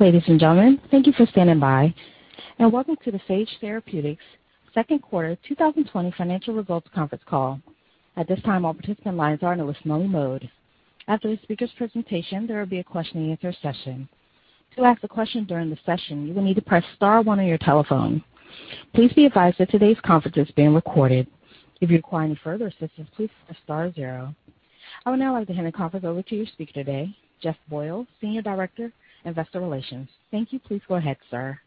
Ladies and gentlemen, thank you for standing by, and welcome to the Sage Therapeutics Q2 2020 financial results conference call. I would now like to hand the conference over to your speaker today, Jeff Boyle, Senior Director, Investor Relations. Thank you. Please go ahead, sir.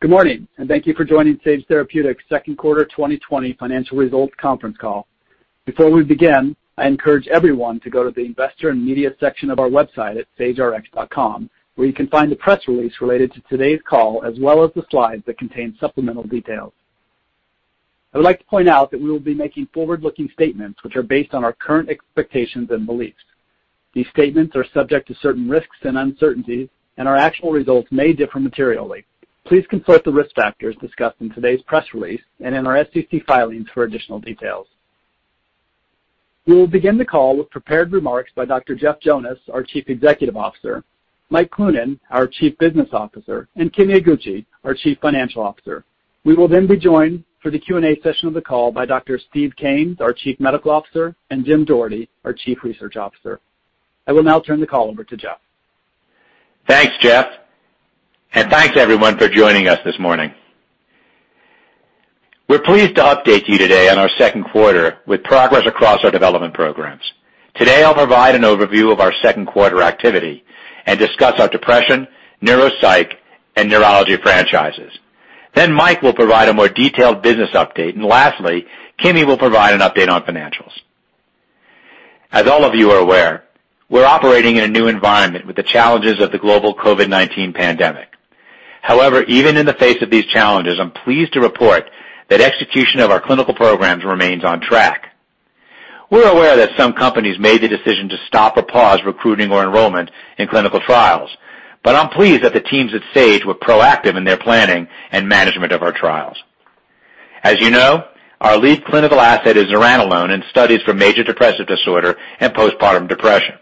Good morning, thank you for joining Sage Therapeutics Q2 2020 financial results conference call. Before we begin, I encourage everyone to go to the investor and media section of our website at sagerx.com, where you can find the press release related to today's call, as well as the slides that contain supplemental details. I would like to point out that we will be making forward-looking statements which are based on our current expectations and beliefs. These statements are subject to certain risks and uncertainties, and our actual results may differ materially. Please consult the risk factors discussed in today's press release and in our SEC filings for additional details. We will begin the call with prepared remarks by Dr. Jeff Jonas, our chief executive officer; Mike Cloonan, our chief business officer; and Kimi Iguchi, our chief financial officer. We will be joined for the Q&A session of the call by Dr. Steve Kanes, our Chief Medical Officer, and Jim Doherty, our Chief Research Officer. I will now turn the call over to Jeff. Thanks, Jeff. Thanks, everyone, for joining us this morning. We're pleased to update you today on our Q2 with progress across our development programs. Today, I'll provide an overview of our Q2 activity and discuss our depression, neuropsych, and neurology franchises. Mike will provide a more detailed business update. Lastly, Kimi will provide an update on financials. As all of you are aware, we're operating in a new environment with the challenges of the global COVID-19 pandemic. However, even in the face of these challenges, I'm pleased to report that execution of our clinical programs remains on track. We're aware that some companies made the decision to stop or pause recruiting or enrollment in clinical trials, but I'm pleased that the teams at Sage were proactive in their planning and management of our trials. As you know, our lead clinical asset is zuranolone in studies for major depressive disorder and postpartum depression.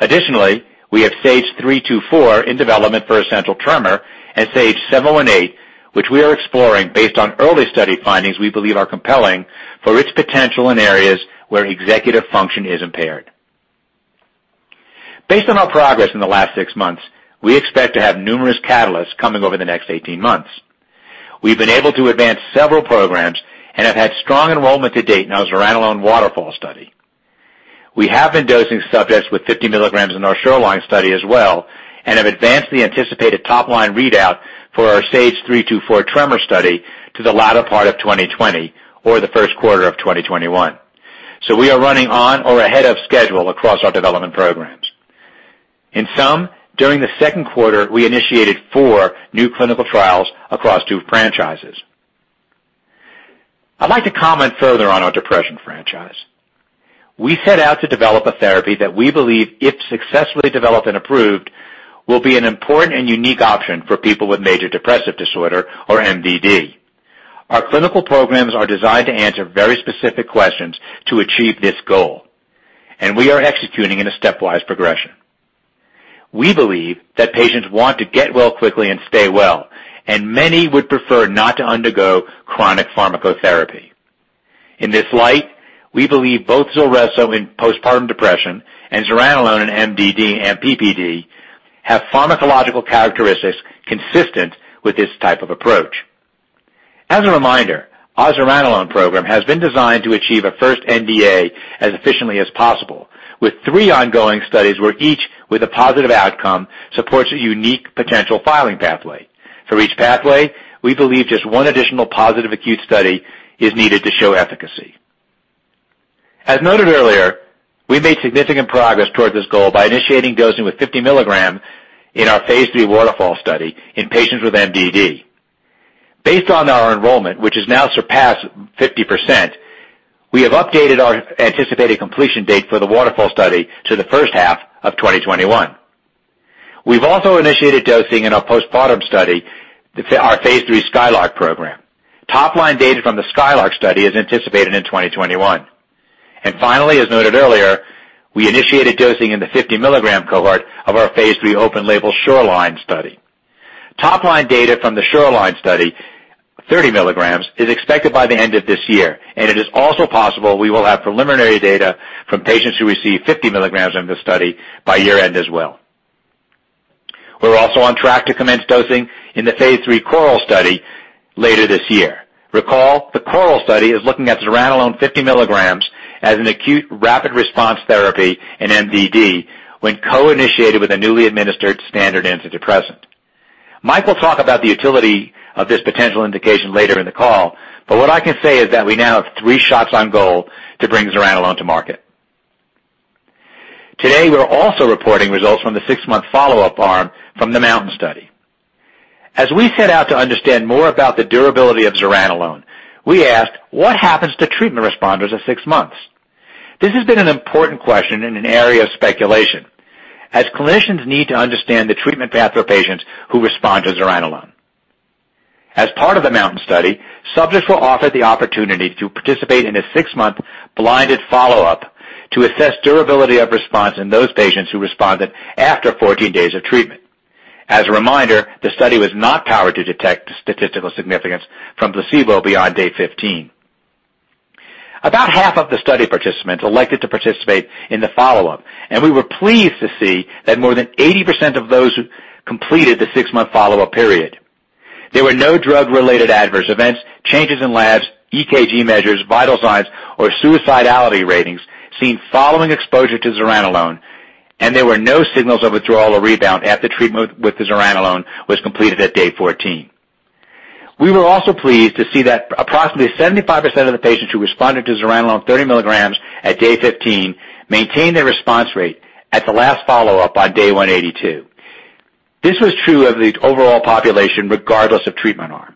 Additionally, we have SAGE-324 in development for essential tremor and SAGE-718, which we are exploring based on early study findings we believe are compelling for its potential in areas where executive function is impaired. Based on our progress in the last six months, we expect to have numerous catalysts coming over the next 18 months. We've been able to advance several programs and have had strong enrollment to date in our zuranolone WATERFALL study. We have been dosing subjects with 50 milligrams in our SHORELINE study as well and have advanced the anticipated top-line readout for our SAGE-324 tremor study to the latter part of 2020 or the Q1 of 2021. We are running on or ahead of schedule across our development programs. In sum, during the Q2, we initiated four new clinical trials across two franchises. I'd like to comment further on our depression franchise. We set out to develop a therapy that we believe, if successfully developed and approved, will be an important and unique option for people with major depressive disorder, or MDD. Our clinical programs are designed to answer very specific questions to achieve this goal, and we are executing in a stepwise progression. We believe that patients want to get well quickly and stay well, and many would prefer not to undergo chronic pharmacotherapy. In this light, we believe both ZULRESSO in postpartum depression and zuranolone in MDD and PPD have pharmacological characteristics consistent with this type of approach. As a reminder, our zuranolone program has been designed to achieve a first NDA as efficiently as possible with three ongoing studies where each with a positive outcome supports a unique potential filing pathway. For each pathway, we believe just one additional positive acute study is needed to show efficacy. As noted earlier, we made significant progress towards this goal by initiating dosing with 50 milligrams in our phase III WATERFALL study in patients with MDD. Based on our enrollment, which has now surpassed 50%, we have updated our anticipated completion date for the WATERFALL study to the H1 of 2021. We've also initiated dosing in our postpartum study, our phase III SKYLARK program. Top-line data from the SKYLARK study is anticipated in 2021. Finally, as noted earlier, we initiated dosing in the 50-milligram cohort of our phase III open-label SHORELINE study. Top-line data from the SHORELINE study, 30 milligrams, is expected by the end of this year. It is also possible we will have preliminary data from patients who receive 50 milligrams in this study by year-end as well. We're also on track to commence dosing in the phase III CORAL study later this year. Recall, the CORAL study is looking at zuranolone 50 milligrams as an acute rapid response therapy in MDD when co-initiated with a newly administered standard antidepressant. Mike will talk about the utility of this potential indication later in the call. What I can say is that we now have three shots on goal to bring zuranolone to market. Today, we're also reporting results from the six-month follow-up arm from the MOUNTAIN study. As we set out to understand more about the durability of zuranolone, we asked what happens to treatment responders at six months? This has been an important question and an area of speculation, as clinicians need to understand the treatment path for patients who respond to zuranolone. As part of the MOUNTAIN study, subjects were offered the opportunity to participate in a six-month blinded follow-up to assess durability of response in those patients who responded after 14 days of treatment. As a reminder, the study was not powered to detect statistical significance from placebo beyond day 15. About half of the study participants elected to participate in the follow-up, and we were pleased to see that more than 80% of those completed the six-month follow-up period. There were no drug-related adverse events, changes in labs, EKG measures, vital signs, or suicidality ratings seen following exposure to zuranolone, and there were no signals of withdrawal or rebound after treatment with the zuranolone was completed at day 14. We were also pleased to see that approximately 75% of the patients who responded to zuranolone 30 milligrams at day 15 maintained their response rate at the last follow-up on day 182. This was true of the overall population, regardless of treatment arm.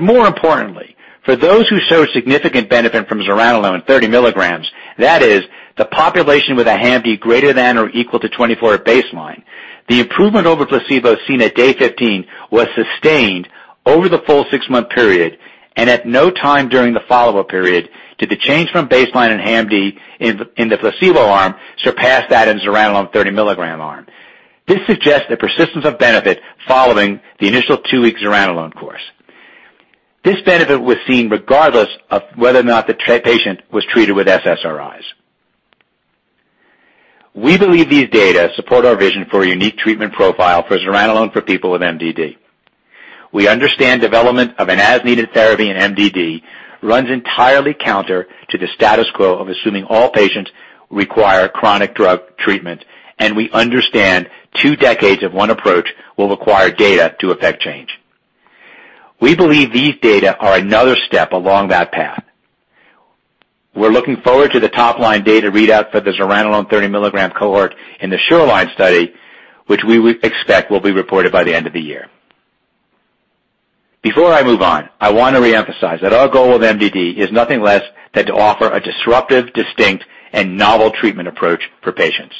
More importantly, for those who showed significant benefit from zuranolone 30 milligrams, that is, the population with a HAM-D greater than or equal to 24 at baseline, the improvement over placebo seen at day 15 was sustained over the full six-month period, and at no time during the follow-up period did the change from baseline in HAM-D in the placebo arm surpass that in zuranolone 30 milligram arm. This suggests the persistence of benefit following the initial two-week zuranolone course. This benefit was seen regardless of whether or not the patient was treated with SSRIs. We believe these data support our vision for a unique treatment profile for zuranolone for people with MDD. We understand development of an as-needed therapy in MDD runs entirely counter to the status quo of assuming all patients require chronic drug treatment, and we understand two decades of one approach will require data to effect change. We believe these data are another step along that path. We're looking forward to the top-line data readout for the zuranolone 30 milligram cohort in the SHORELINE study, which we would expect will be reported by the end of the year. Before I move on, I want to reemphasize that our goal with MDD is nothing less than to offer a disruptive, distinct, and novel treatment approach for patients.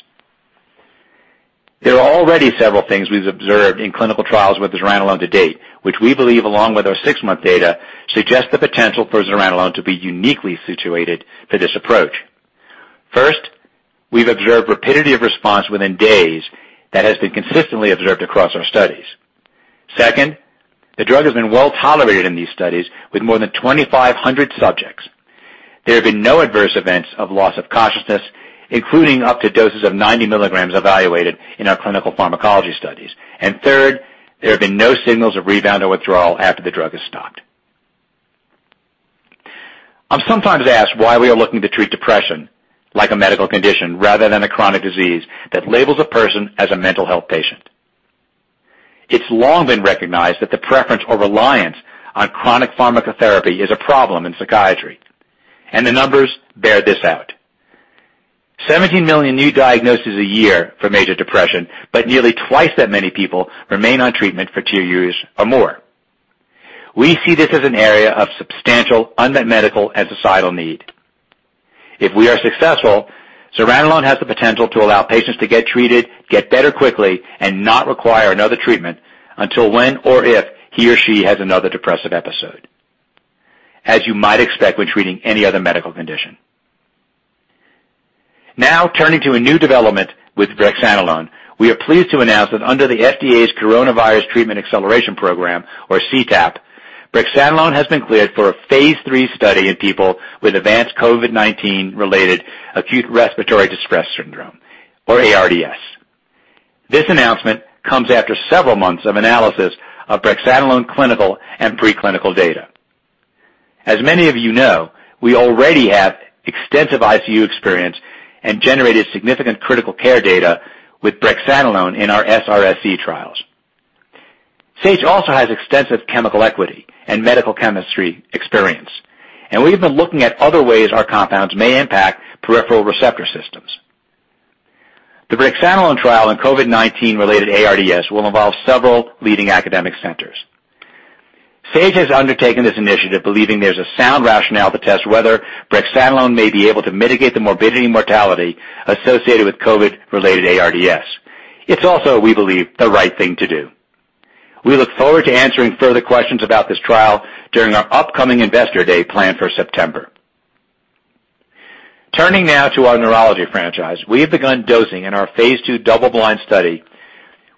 There are already several things we've observed in clinical trials with zuranolone to date, which we believe along with our six-month data, suggest the potential for zuranolone to be uniquely situated for this approach. First, we've observed rapidity of response within days that has been consistently observed across our studies. Second, the drug has been well-tolerated in these studies with more than 2,500 subjects. There have been no adverse events of loss of consciousness, including up to doses of 90 milligrams evaluated in our clinical pharmacology studies. Third, there have been no signals of rebound or withdrawal after the drug is stopped. I'm sometimes asked why we are looking to treat depression like a medical condition rather than a chronic disease that labels a person as a mental health patient. It's long been recognized that the preference or reliance on chronic pharmacotherapy is a problem in psychiatry, and the numbers bear this out. 17 million new diagnoses a year for major depression, but nearly twice that many people remain on treatment for two years or more. We see this as an area of substantial unmet medical and societal need. If we are successful, zuranolone has the potential to allow patients to get treated, get better quickly, and not require another treatment until when or if he or she has another depressive episode, as you might expect when treating any other medical condition. Turning to a new development with brexanolone. We are pleased to announce that under the FDA's Coronavirus Treatment Acceleration Program, or CTAP, brexanolone has been cleared for a phase III study in people with advanced COVID-19 related acute respiratory distress syndrome, or ARDS. This announcement comes after several months of analysis of brexanolone clinical and pre-clinical data. As many of you know, we already have extensive ICU experience and generated significant critical care data with brexanolone in our SRSE trials. Sage also has extensive chemical equity and medical chemistry experience, we've been looking at other ways our compounds may impact peripheral receptor systems. The brexanolone trial in COVID-19 related ARDS will involve several leading academic centers. Sage has undertaken this initiative believing there's a sound rationale to test whether brexanolone may be able to mitigate the morbidity and mortality associated with COVID-related ARDS. It's also, we believe, the right thing to do. We look forward to answering further questions about this trial during our upcoming Investor Day planned for September. Turning now to our neurology franchise. We have begun dosing in our phase II double-blind study,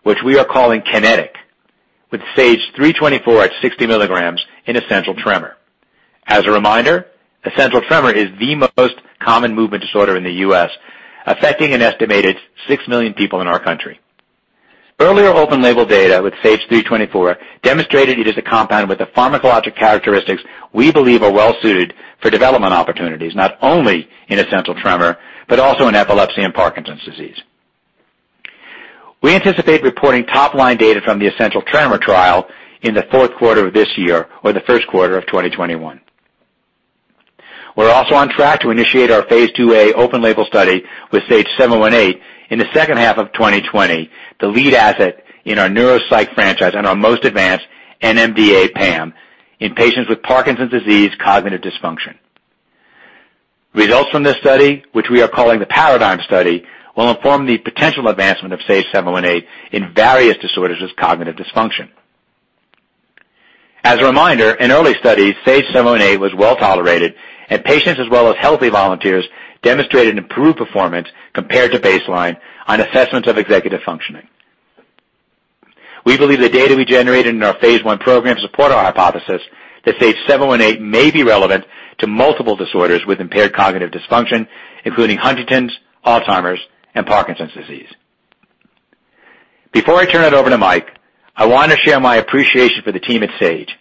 which we are calling KINETIC, with SAGE-324 at 60 milligrams in essential tremor. As a reminder, essential tremor is the most common movement disorder in the U.S., affecting an estimated 6 million people in our country. Earlier open label data with SAGE-324 demonstrated it is a compound with the pharmacologic characteristics we believe are well suited for development opportunities, not only in essential tremor, but also in epilepsy and Parkinson's disease. We anticipate reporting top-line data from the essential tremor trial in the Q4 of this year or the Q1 of 2021. We are also on track to initiate our phase IIa open label study with SAGE-718 in the H2 of 2020, the lead asset in our neuropsych franchise and our most advanced NMDA-PAM in patients with Parkinson's disease cognitive dysfunction. Results from this study, which we are calling the PARADIGM study, will inform the potential advancement of SAGE-718 in various disorders with cognitive dysfunction. As a reminder, in early studies, SAGE-718 was well-tolerated in patients as well as healthy volunteers demonstrated improved performance compared to baseline on assessments of executive functioning. We believe the data we generated in our phase I program support our hypothesis that SAGE-718 may be relevant to multiple disorders with impaired cognitive dysfunction, including Huntington's, Alzheimer's, and Parkinson's disease. Before I turn it over to Mike, I want to share my appreciation for the team at Sage.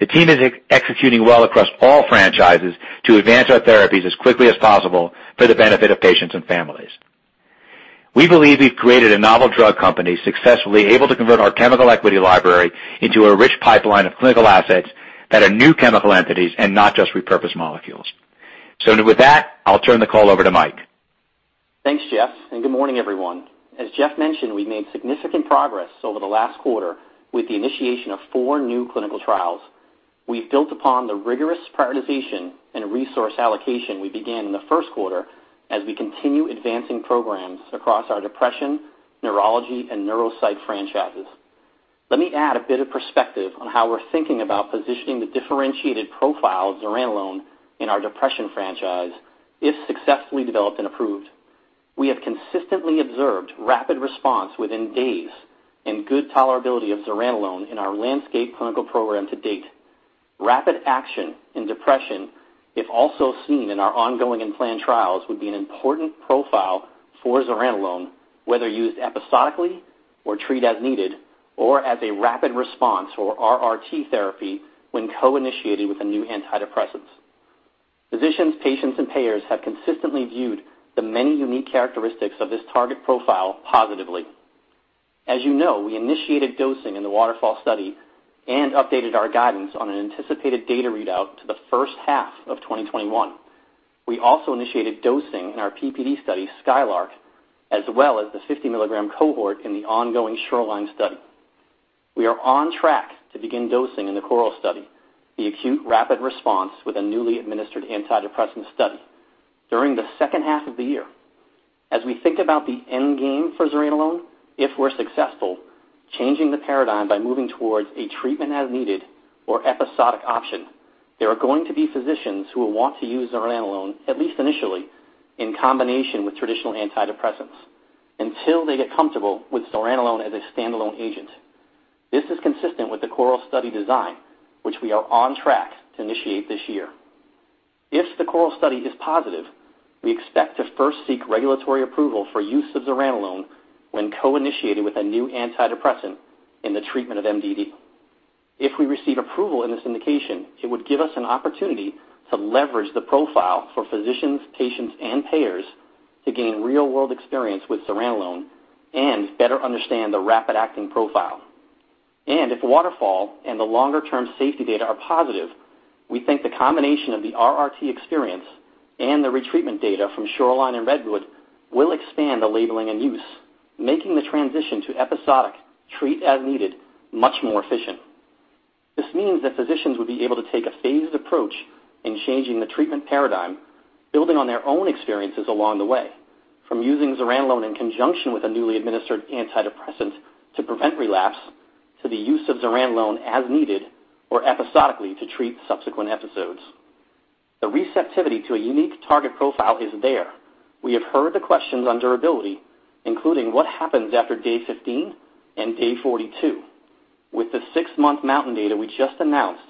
The team is executing well across all franchises to advance our therapies as quickly as possible for the benefit of patients and families. We believe we've created a novel drug company successfully able to convert our chemical equity library into a rich pipeline of clinical assets that are new chemical entities and not just repurposed molecules. With that, I'll turn the call over to Mike. Thanks, Jeff. Good morning, everyone. As Jeff mentioned, we've made significant progress over the last quarter with the initiation of four new clinical trials. We've built upon the rigorous prioritization and resource allocation we began in the Q1 as we continue advancing programs across our depression, neurology, and neuropsych franchises. Let me add a bit of perspective on how we're thinking about positioning the differentiated profile of zuranolone in our depression franchise if successfully developed and approved. We have consistently observed rapid response within days and good tolerability of zuranolone in our landscape clinical program to date. Rapid action in depression, if also seen in our ongoing and planned trials, would be an important profile for zuranolone, whether used episodically or treat as needed, or as a rapid response or RRT therapy when co-initiating with a new antidepressant. Physicians, patients, and payers have consistently viewed the many unique characteristics of this target profile positively. As you know, we initiated dosing in the WATERFALL study and updated our guidance on an anticipated data readout to the H1 of 2021. We also initiated dosing in our PPD study, SKYLARK, as well as the 50 milligram cohort in the ongoing SHORELINE study. We are on track to begin dosing in the CORAL study, the acute rapid response with a newly administered antidepressant study during the H2 of the year. As we think about the end game for zuranolone, if we're successful, changing the paradigm by moving towards a treatment as needed or episodic option, there are going to be physicians who will want to use zuranolone, at least initially, in combination with traditional antidepressants until they get comfortable with zuranolone as a standalone agent. This is consistent with the CORAL study design, which we are on track to initiate this year. If the CORAL study is positive, we expect to first seek regulatory approval for use of zuranolone when co-initiated with a new antidepressant in the treatment of MDD. If we receive approval in this indication, it would give us an opportunity to leverage the profile for physicians, patients, and payers to gain real-world experience with zuranolone and better understand the rapid-acting profile. If WATERFALL and the longer-term safety data are positive, we think the combination of the RRT experience and the retreatment data from SHORELINE and REDWOOD will expand the labeling and use, making the transition to episodic treat as needed much more efficient. This means that physicians would be able to take a phased approach in changing the treatment paradigm, building on their own experiences along the way. From using zuranolone in conjunction with a newly administered antidepressant to prevent relapse, to the use of zuranolone as needed or episodically to treat subsequent episodes. The receptivity to a unique target profile is there. We have heard the questions on durability, including what happens after day 15 and day 42. With the six-month MOUNTAIN data we just announced,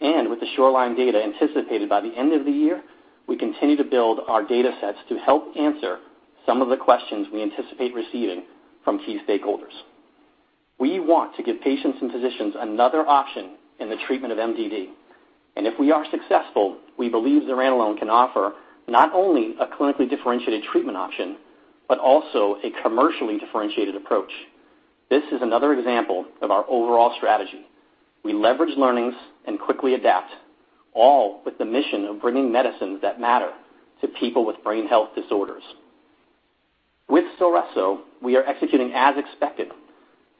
and with the SHORELINE data anticipated by the end of the year, we continue to build our data sets to help answer some of the questions we anticipate receiving from key stakeholders. We want to give patients and physicians another option in the treatment of MDD, and if we are successful, we believe zuranolone can offer not only a clinically differentiated treatment option, but also a commercially differentiated approach. This is another example of our overall strategy. We leverage learnings and quickly adapt, all with the mission of bringing medicines that matter to people with brain health disorders. With ZULRESSO, we are executing as expected.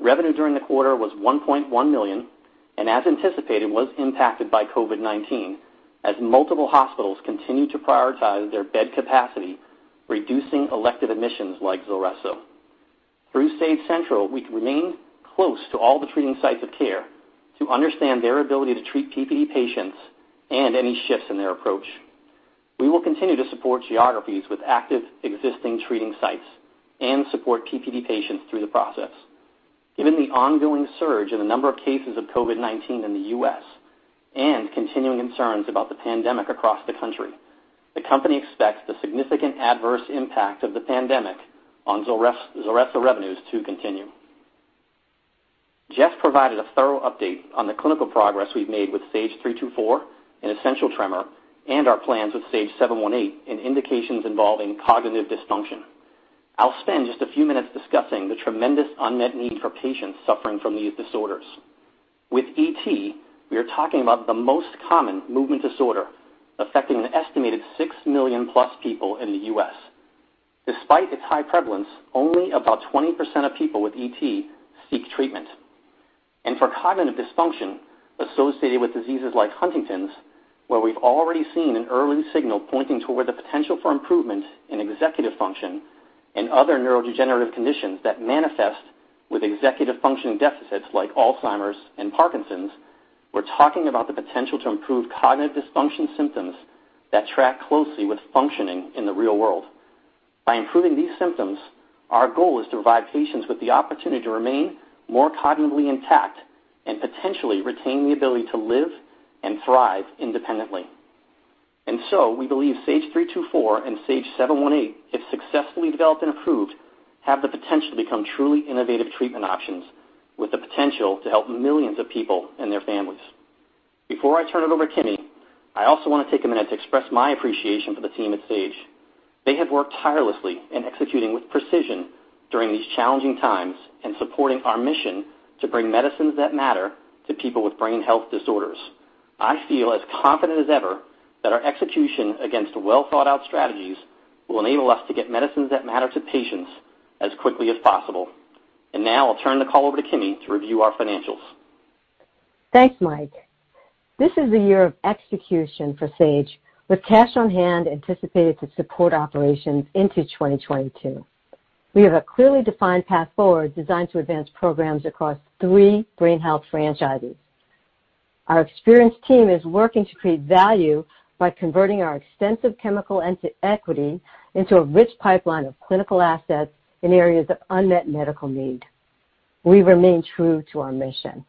Revenue during the quarter was $1.1 million, and as anticipated, was impacted by COVID-19 as multiple hospitals continue to prioritize their bed capacity, reducing elective admissions like ZULRESSO. Through Sage Central, we remain close to all the treating sites of care to understand their ability to treat PPD patients and any shifts in their approach. We will continue to support geographies with active existing treating sites and support PPD patients through the process. Given the ongoing surge in the number of cases of COVID-19 in the U.S. and continuing concerns about the pandemic across the country, the company expects the significant adverse impact of the pandemic on ZULRESSO revenues to continue. Jeff provided a thorough update on the clinical progress we've made with SAGE-324 in essential tremor and our plans with SAGE-718 in indications involving cognitive dysfunction. I'll spend just a few minutes discussing the tremendous unmet need for patients suffering from these disorders. With ET, we are talking about the most common movement disorder, affecting an estimated six million plus people in the U.S. Despite its high prevalence, only about 20% of people with ET seek treatment. For cognitive dysfunction associated with diseases like Huntington's, where we've already seen an early signal pointing toward the potential for improvement in executive function and other neurodegenerative conditions that manifest with executive functioning deficits like Alzheimer's and Parkinson's, we're talking about the potential to improve cognitive dysfunction symptoms that track closely with functioning in the real world. By improving these symptoms, our goal is to provide patients with the opportunity to remain more cognitively intact and potentially retain the ability to live and thrive independently. We believe SAGE-324 and SAGE-718, if successfully developed and approved, have the potential to become truly innovative treatment options with the potential to help millions of people and their families. Before I turn it over to Kimi, I also want to take a minute to express my appreciation for the team at Sage. They have worked tirelessly in executing with precision during these challenging times and supporting our mission to bring medicines that matter to people with brain health disorders. I feel as confident as ever that our execution against well-thought-out strategies will enable us to get medicines that matter to patients as quickly as possible. Now I'll turn the call over to Kimi to review our financials. Thanks, Mike. This is a year of execution for Sage Therapeutics, with cash on hand anticipated to support operations into 2022. We have a clearly defined path forward designed to advance programs across three brain health franchises. Our experienced team is working to create value by converting our extensive chemical equity into a rich pipeline of clinical assets in areas of unmet medical need. We remain true to our mission.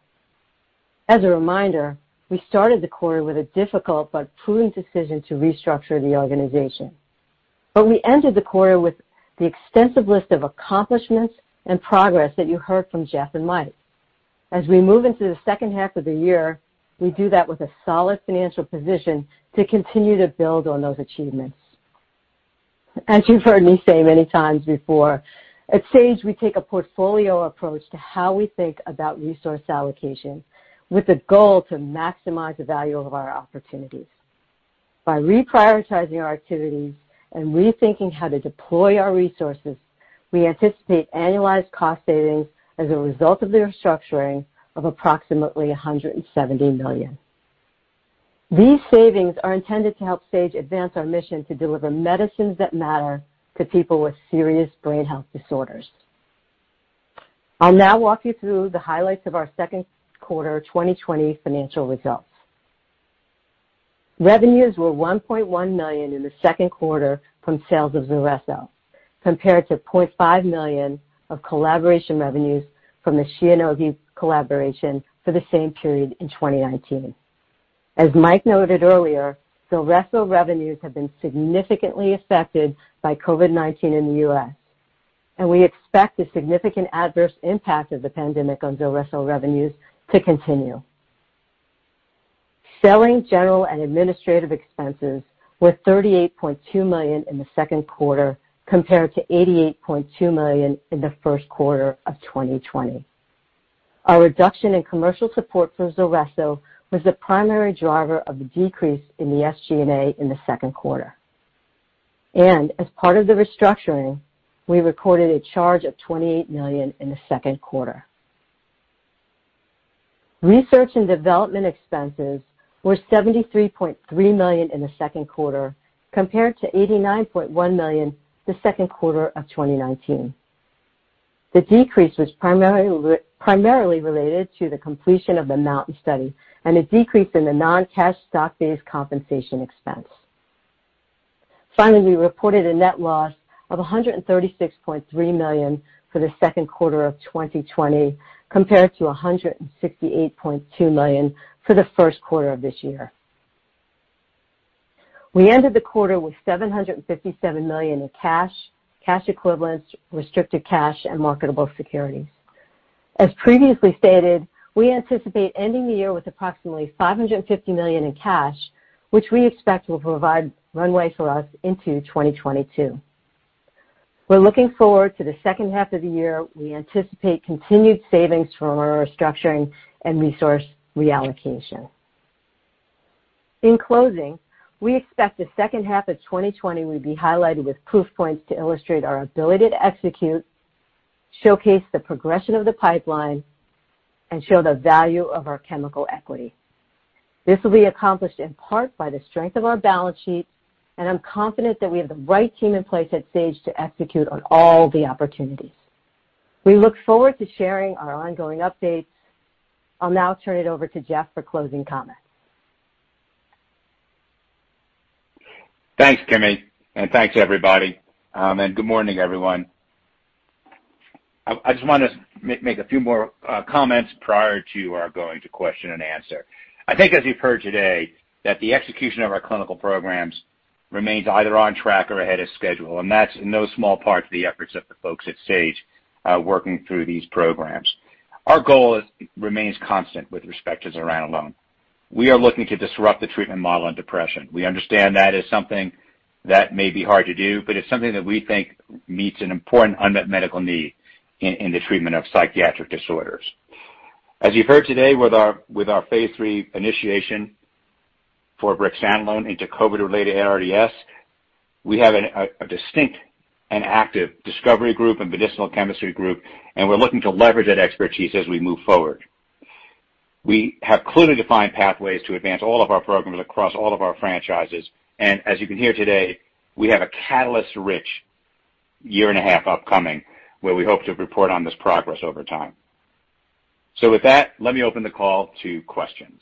As a reminder, we started the quarter with a difficult but prudent decision to restructure the organization, but we ended the quarter with the extensive list of accomplishments and progress that you heard from Jeff Jonas and Mike. As we move into the H2 of the year, we do that with a solid financial position to continue to build on those achievements. As you've heard me say many times before, at Sage, we take a portfolio approach to how we think about resource allocation, with the goal to maximize the value of our opportunities. By reprioritizing our activities and rethinking how to deploy our resources, we anticipate annualized cost savings as a result of the restructuring of approximately $170 million. These savings are intended to help Sage advance our mission to deliver medicines that matter to people with serious brain health disorders. I'll now walk you through the highlights of our Q2 2020 financial results. Revenues were $1.1 million in the Q2 from sales of ZULRESSO, compared to $0.5 million of collaboration revenues from the Shionogi collaboration for the same period in 2019. As Mike noted earlier, ZULRESSO revenues have been significantly affected by COVID-19 in the U.S., and we expect the significant adverse impact of the pandemic on ZULRESSO revenues to continue. Selling, general, and administrative expenses were $38.2 million in the Q2, compared to $88.2 million in the Q1 of 2020. Our reduction in commercial support for ZULRESSO was the primary driver of the decrease in the SG&A in the Q2. As part of the restructuring, we recorded a charge of $28 million in the Q2. Research and development expenses were $73.3 million in the Q2, compared to $89.1 million the Q2 of 2019. The decrease was primarily related to the completion of the MOUNTAIN study and a decrease in the non-cash stock-based compensation expense. Finally, we reported a net loss of $136.3 million for the Q2 of 2020, compared to $168.2 million for the Q1 of this year. We ended the quarter with $757 million in cash equivalents, restricted cash, and marketable securities. As previously stated, we anticipate ending the year with approximately $550 million in cash, which we expect will provide runway for us into 2022. We're looking forward to the H2 of the year. We anticipate continued savings from our restructuring and resource reallocation. In closing, we expect the H2 of 2020 will be highlighted with proof points to illustrate our ability to execute, showcase the progression of the pipeline, and show the value of our chemical equity. This will be accomplished in part by the strength of our balance sheet, and I'm confident that we have the right team in place at Sage to execute on all the opportunities. We look forward to sharing our ongoing updates. I'll now turn it over to Jeff for closing comments. Thanks, Kimi. Thanks, everybody. Good morning, everyone. I just want to make a few more comments prior to our going to question and answer. I think, as you've heard today, that the execution of our clinical programs remains either on track or ahead of schedule, and that's in no small part to the efforts of the folks at Sage working through these programs. Our goal remains constant with respect to zuranolone. We are looking to disrupt the treatment model in depression. We understand that is something that may be hard to do, but it's something that we think meets an important unmet medical need in the treatment of psychiatric disorders. As you've heard today with our phase SAGE-324 initiation For brexanolone into COVID-related ARDS. We have a distinct and active discovery group, a medicinal chemistry group, and we're looking to leverage that expertise as we move forward. We have clearly defined pathways to advance all of our programs across all of our franchises. As you can hear today, we have a catalyst-rich year and a half upcoming, where we hope to report on this progress over time. With that, let me open the call to questions.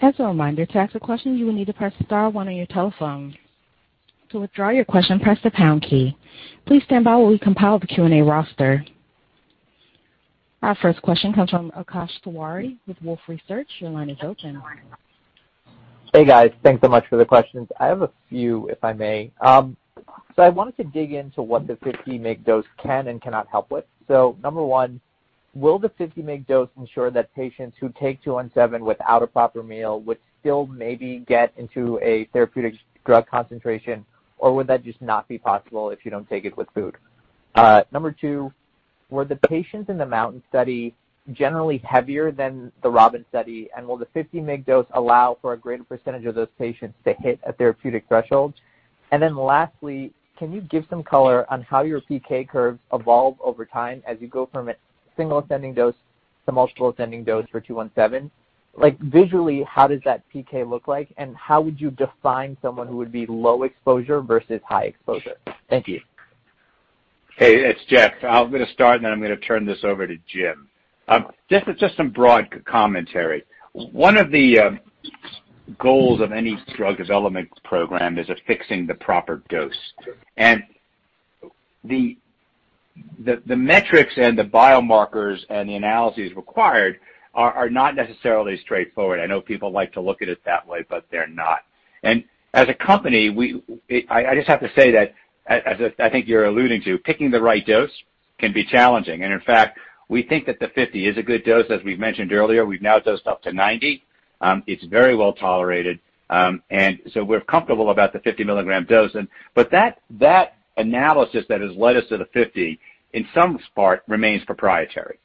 As a reminder, to ask a question, you will need to press star one on your telephone. To withdraw your question, press the pound key. Please stand by while we compile the Q&A roster. Our first question comes from Akash Tiwari with Wolfe Research. Your line is open. Hey, guys. Thanks so much for the questions. I have a few, if I may. I wanted to dig into what the 50 mg dose can and cannot help with. Number one, will the 50 mg dose ensure that patients who take SAGE-217 without a proper meal would still maybe get into a therapeutic drug concentration, or would that just not be possible if you don't take it with food? Number two, were the patients in the MOUNTAIN study generally heavier than the ROBIN study, and will the 50 mg dose allow for a greater percentage of those patients to hit a therapeutic threshold? Lastly, can you give some color on how your PK curves evolve over time as you go from a single ascending dose to multiple ascending dose for SAGE-217? Visually, how does that PK look like, and how would you define someone who would be low exposure versus high exposure? Thank you. Hey, it's Jeff. I'm going to start, then I'm going to turn this over to Jim. Just some broad commentary. One of the goals of any drug development program is affixing the proper dose. The metrics and the biomarkers and the analyses required are not necessarily straightforward. I know people like to look at it that way, they're not. As a company, I just have to say that, as I think you're alluding to, picking the right dose can be challenging. In fact, we think that the 50 is a good dose. As we've mentioned earlier, we've now dosed up to 90. It's very well-tolerated. We're comfortable about the 50 milligram dose. That analysis that has led us to the 50, in some part, remains proprietary.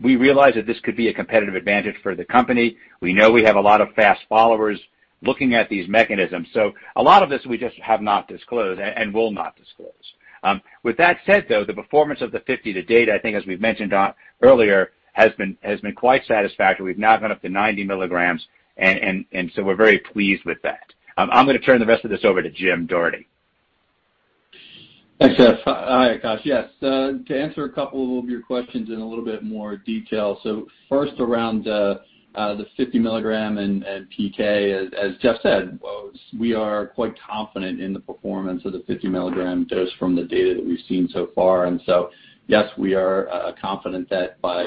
We realize that this could be a competitive advantage for the company. We know we have a lot of fast followers looking at these mechanisms. A lot of this, we just have not disclosed and will not disclose. With that said, though, the performance of the 50 to date, I think as we've mentioned earlier, has been quite satisfactory. We've now gone up to 90 milligrams. We're very pleased with that. I'm going to turn the rest of this over to Jim Doherty. Thanks, Jeff. Hi, Akash. Yes, to answer a couple of your questions in a little bit more detail. First, around the 50 milligram and PK. As Jeff said, we are quite confident in the performance of the 50 milligram dose from the data that we've seen so far. Yes, we are confident that by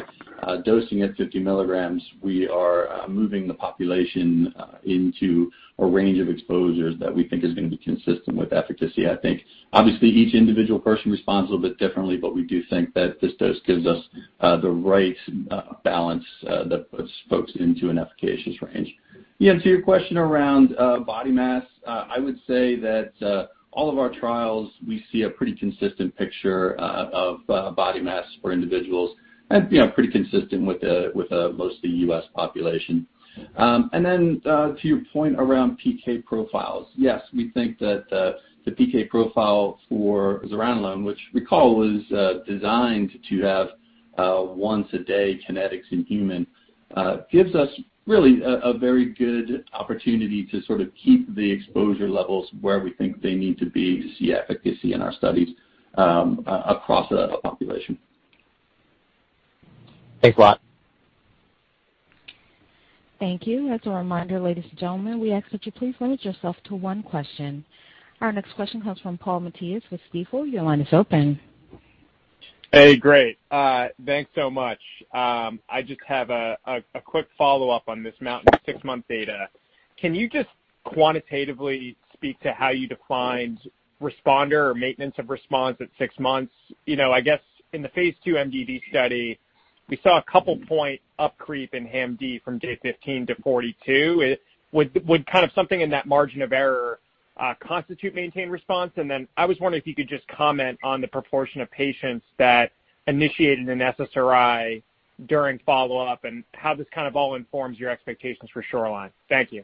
dosing at 50 milligrams, we are moving the population into a range of exposures that we think is going to be consistent with efficacy, I think. Obviously, each individual person responds a little bit differently, but we do think that this dose gives us the right balance that puts folks into an efficacious range. Yeah, to your question around body mass, I would say that all of our trials, we see a pretty consistent picture of body mass for individuals, and pretty consistent with a mostly U.S. population. To your point around PK profiles, yes, we think that the PK profile for zuranolone, which recall, was designed to have once-a-day kinetics in human, gives us really a very good opportunity to sort of keep the exposure levels where we think they need to be to see efficacy in our studies across a population. Thanks a lot. Thank you. As a reminder, ladies and gentlemen, we ask that you please limit yourself to one question. Our next question comes from Paul Matteis with Stifel. Your line is open. Hey, great. Thanks so much. I just have a quick follow-up on this MOUNTAIN six-month data. Can you just quantitatively speak to how you defined responder or maintenance of response at six months? I guess in the phase II MDD study, we saw a couple point up creep in HAM-D from day 15 to 42. Would something in that margin of error constitute maintained response? I was wondering if you could just comment on the proportion of patients that initiated an SSRI during follow-up, and how this kind of all informs your expectations for SHORELINE. Thank you.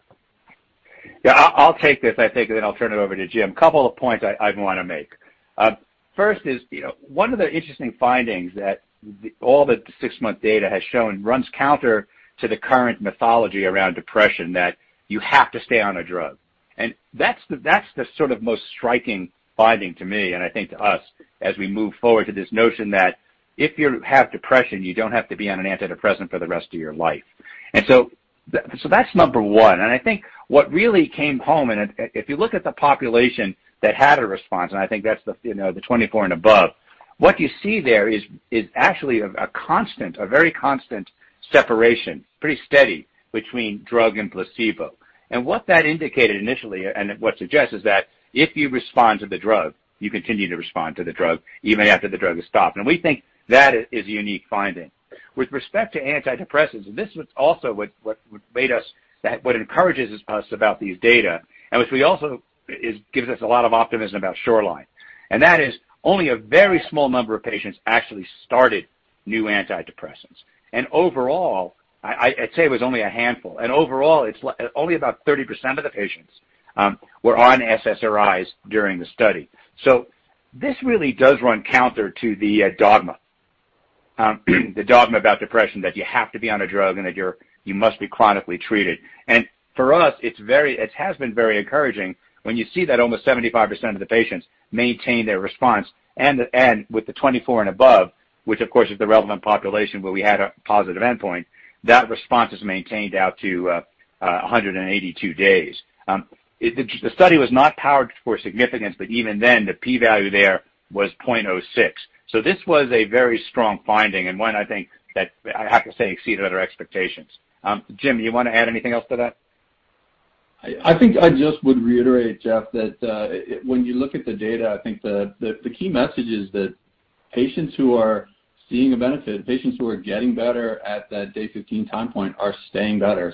Yeah, I'll take this, I think, and then I'll turn it over to Jim. Couple of points I'd want to make. First is, one of the interesting findings that all the six-month data has shown runs counter to the current mythology around depression that you have to stay on a drug. That's the sort of most striking finding to me, and I think to us as we move forward to this notion that if you have depression, you don't have to be on an antidepressant for the rest of your life. That's number one. I think what really came home, and if you look at the population that had a response, and I think that's the 24 and above, what you see there is actually a very constant separation, pretty steady between drug and placebo. What that indicated initially, and what suggests, is that if you respond to the drug, you continue to respond to the drug even after the drug is stopped. We think that is a unique finding. With respect to antidepressants, this was also what encourages us about these data, and which also gives us a lot of optimism about SHORELINE. That is only a very small number of patients actually started new antidepressants. Overall, I'd say it was only a handful. Overall, it's only about 30% of the patients were on SSRIs during the study. This really does run counter to the dogma about depression, that you have to be on a drug and that you must be chronically treated. For us, it has been very encouraging when you see that almost 75% of the patients maintain their response. With the 24 and above, which of course is the relevant population where we had a positive endpoint, that response is maintained out to 182 days. The study was not powered for significance, even then, the P value there was .06. This was a very strong finding and one I think that I have to say exceeded our expectations. Jim, you want to add anything else to that? I think I just would reiterate, Jeff, that when you look at the data, I think the key message is that patients who are seeing a benefit, patients who are getting better at that day 15 time point are staying better.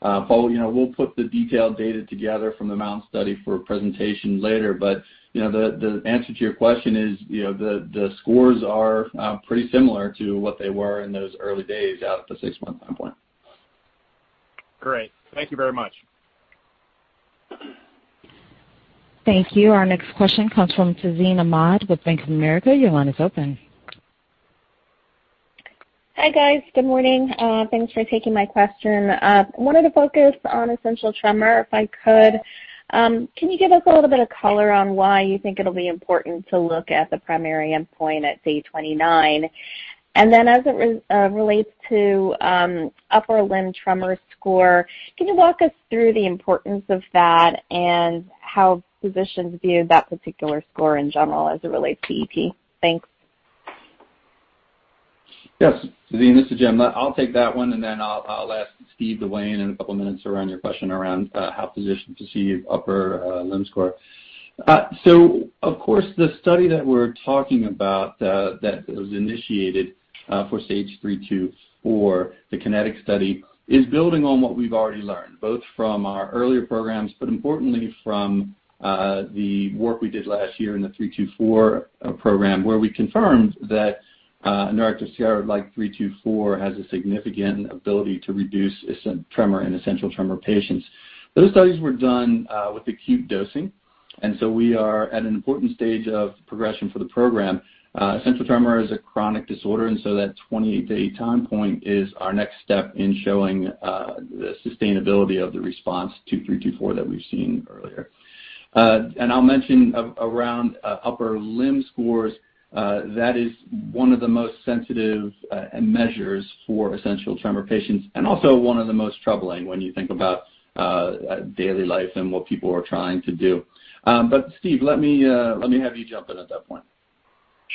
We'll put the detailed data together from the MOUNTAIN study for a presentation later. The answer to your question is the scores are pretty similar to what they were in those early days out at the six-month time point. Great. Thank you very much. Thank you. Our next question comes from Tazeen Ahmad with Bank of America. Your line is open. Hi, guys. Good morning. Thanks for taking my question. I wanted to focus on essential tremor, if I could. Can you give us a little bit of color on why you think it'll be important to look at the primary endpoint at day 29? Then as it relates to upper limb tremor score, can you walk us through the importance of that and how physicians view that particular score in general as it relates to ET? Thanks. Yes, Tazeen Ahmad, this is Jim. I'll take that one, then I'll ask Steve to weigh in in a couple of minutes around your question around how physicians perceive upper limb score. Of course, the study that we're talking about that was initiated for stage SAGE-324, the KINETIC study, is building on what we've already learned, both from our earlier programs, but importantly from the work we did last year in the SAGE-324 program, where we confirmed that neurotensin steroid like SAGE-324 has a significant ability to reduce tremor in essential tremor patients. Those studies were done with acute dosing. We are at an important stage of progression for the program. essential tremor is a chronic disorder. That 28-day time point is our next step in showing the sustainability of the response to SAGE-324 that we've seen earlier. I'll mention around upper limb scores, that is one of the most sensitive measures for essential tremor patients and also one of the most troubling when you think about daily life and what people are trying to do. Steve, let me have you jump in at that point.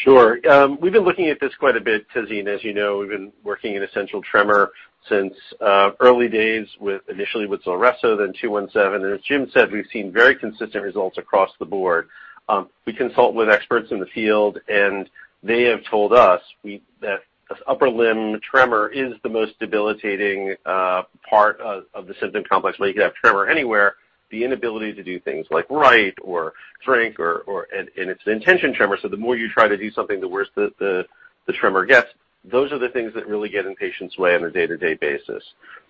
Sure. We've been looking at this quite a bit, Tazeen. As you know, we've been working in essential tremor since early days, initially with ZULRESSO, then II. As Jim said, we've seen very consistent results across the board. We consult with experts in the field. They have told us that upper limb tremor is the most debilitating part of the symptom complex. You could have tremor anywhere. The inability to do things like write or drink. It's an intention tremor. The more you try to do something, the worse the tremor gets. Those are the things that really get in patients' way on a day-to-day basis.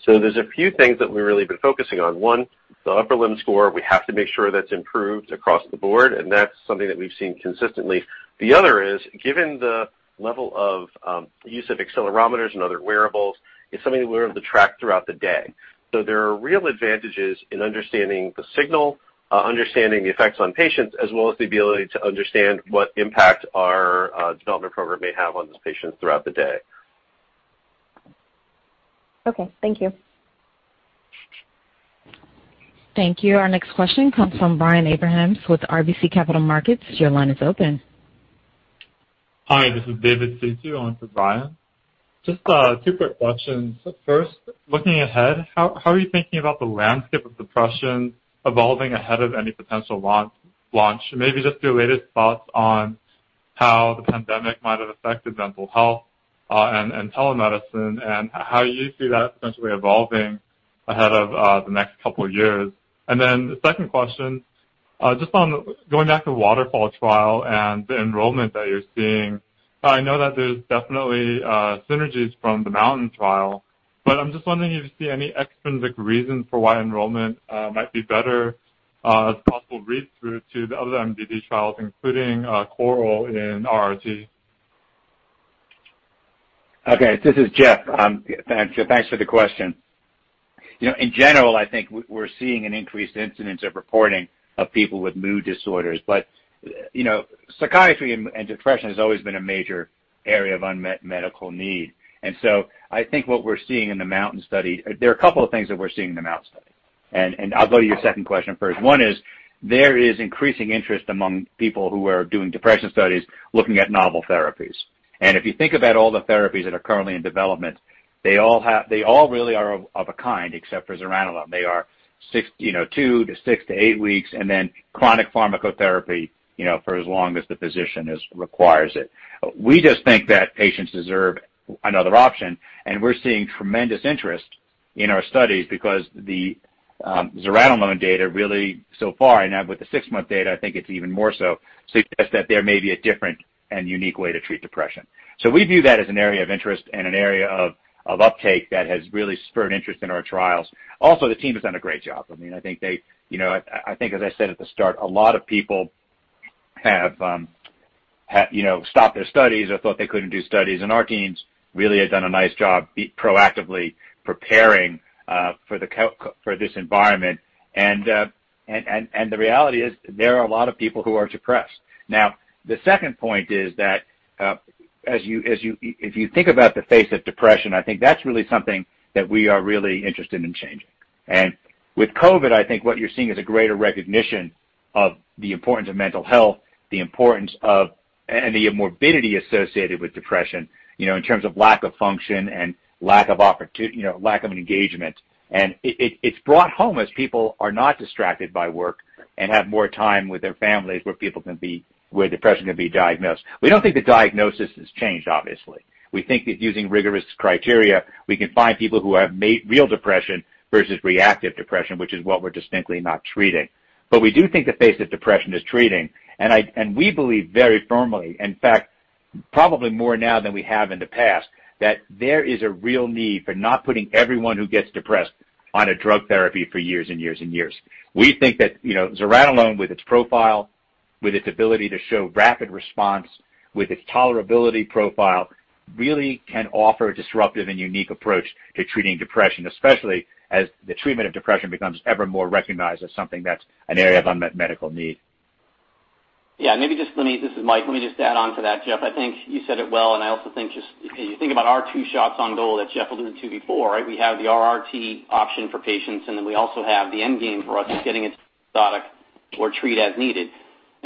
There's a few things that we've really been focusing on. One, the upper limb score. We have to make sure that's improved across the board. That's something that we've seen consistently. The other is, given the level of use of accelerometers and other wearables, it's something we're able to track throughout the day. There are real advantages in understanding the signal, understanding the effects on patients, as well as the ability to understand what impact our development program may have on those patients throughout the day. Okay. Thank you. Thank you. Our next question comes from Brian Abrahams with RBC Capital Markets. Your line is open. Hi, this is David Sisu in for Brian. Just two quick questions. First, looking ahead, how are you thinking about the landscape of depression evolving ahead of any potential launch? Maybe just your latest thoughts on how the pandemic might have affected mental health and telemedicine and how you see that potentially evolving ahead of the next couple of years. The second question, just on going back to the WATERFALL trial and the enrollment that you're seeing. I know that there's definitely synergies from the MOUNTAIN trial, but I'm just wondering if you see any extrinsic reason for why enrollment might be better as possible read-through to the other MDD trials, including CORAL and RRT. Okay, this is Jeff. Thanks for the question. In general, I think we're seeing an increased incidence of reporting of people with mood disorders. Psychiatry and depression has always been a major area of unmet medical need. I think there are a couple of things that we're seeing in the MOUNTAIN study, I'll go to your second question first. One is there is increasing interest among people who are doing depression studies looking at novel therapies. If you think about all the therapies that are currently in development, they all really are of a kind except for zuranolone. They are two to six to eight weeks and then chronic pharmacotherapy for as long as the physician requires it. We just think that patients deserve another option, and we're seeing tremendous interest in our studies, because the zuranolone data really so far, and now with the six-month data, I think it's even more so, suggests that there may be a different and unique way to treat depression. We view that as an area of interest and an area of uptake that has really spurred interest in our trials. Also, the team has done a great job. I think as I said at the start, a lot of people have stopped their studies or thought they couldn't do studies, and our teams really have done a nice job proactively preparing for this environment. The reality is there are a lot of people who are depressed. The second point is that if you think about the face of depression, I think that's really something that we are really interested in changing. With COVID-19, I think what you're seeing is a greater recognition of the importance of mental health, the importance of, and the morbidity associated with depression, in terms of lack of function and lack of engagement. It's brought home as people are not distracted by work and have more time with their families, where depression can be diagnosed. We don't think the diagnosis has changed, obviously. We think that using rigorous criteria, we can find people who have real depression versus reactive depression, which is what we're distinctly not treating. We do think the face of depression is treating. We believe very firmly, in fact, probably more now than we have in the past, that there is a real need for not putting everyone who gets depressed on a drug therapy for years and years and years. We think that zuranolone, with its profile, with its ability to show rapid response, with its tolerability profile, really can offer a disruptive and unique approach to treating depression, especially as the treatment of depression becomes ever more recognized as something that's an area of unmet medical need. This is Chris. Let me just add on to that, Jeff. I think you said it well. I also think just, if you think about our two shots on goal that Jeff alluded to before, we have the RRT option for patients, then we also have the end game for us is getting into episodic or treat as needed.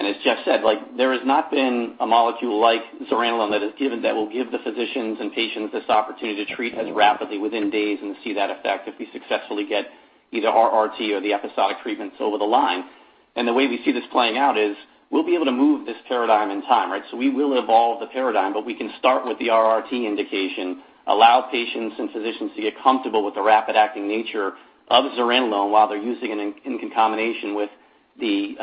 As Jeff said, there has not been a molecule like zuranolone that is given that will give the physicians and patients this opportunity to treat as rapidly within days and see that effect if we successfully get either RRT or the episodic treatments over the line. The way we see this playing out is we'll be able to move this PARADIGM in time. We will evolve the paradigm, but we can start with the RRT indication, allow patients and physicians to get comfortable with the rapid-acting nature of zuranolone while they're using it in combination with the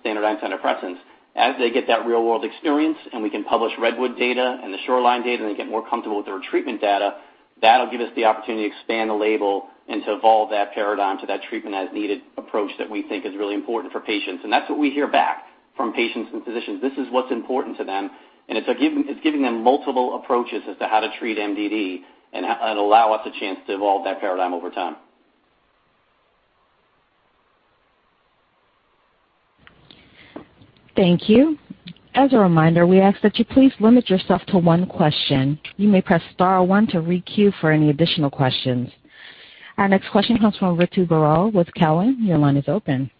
standard antidepressants. As they get that real-world experience and we can publish REDWOOD data and the SHORELINE data, and they get more comfortable with their treatment data, that'll give us the opportunity to expand the label and to evolve that paradigm to that treatment-as-needed approach that we think is really important for patients. That's what we hear back from patients and physicians. This is what's important to them, and it's giving them multiple approaches as to how to treat MDD and allow us a chance to evolve that paradigm over time. Thank you. As a reminder, we ask that you please limit yourself to one question. You may press star one to re-queue for any additional questions. Our next question comes from Ritu Baral with Cowen. Your line is open.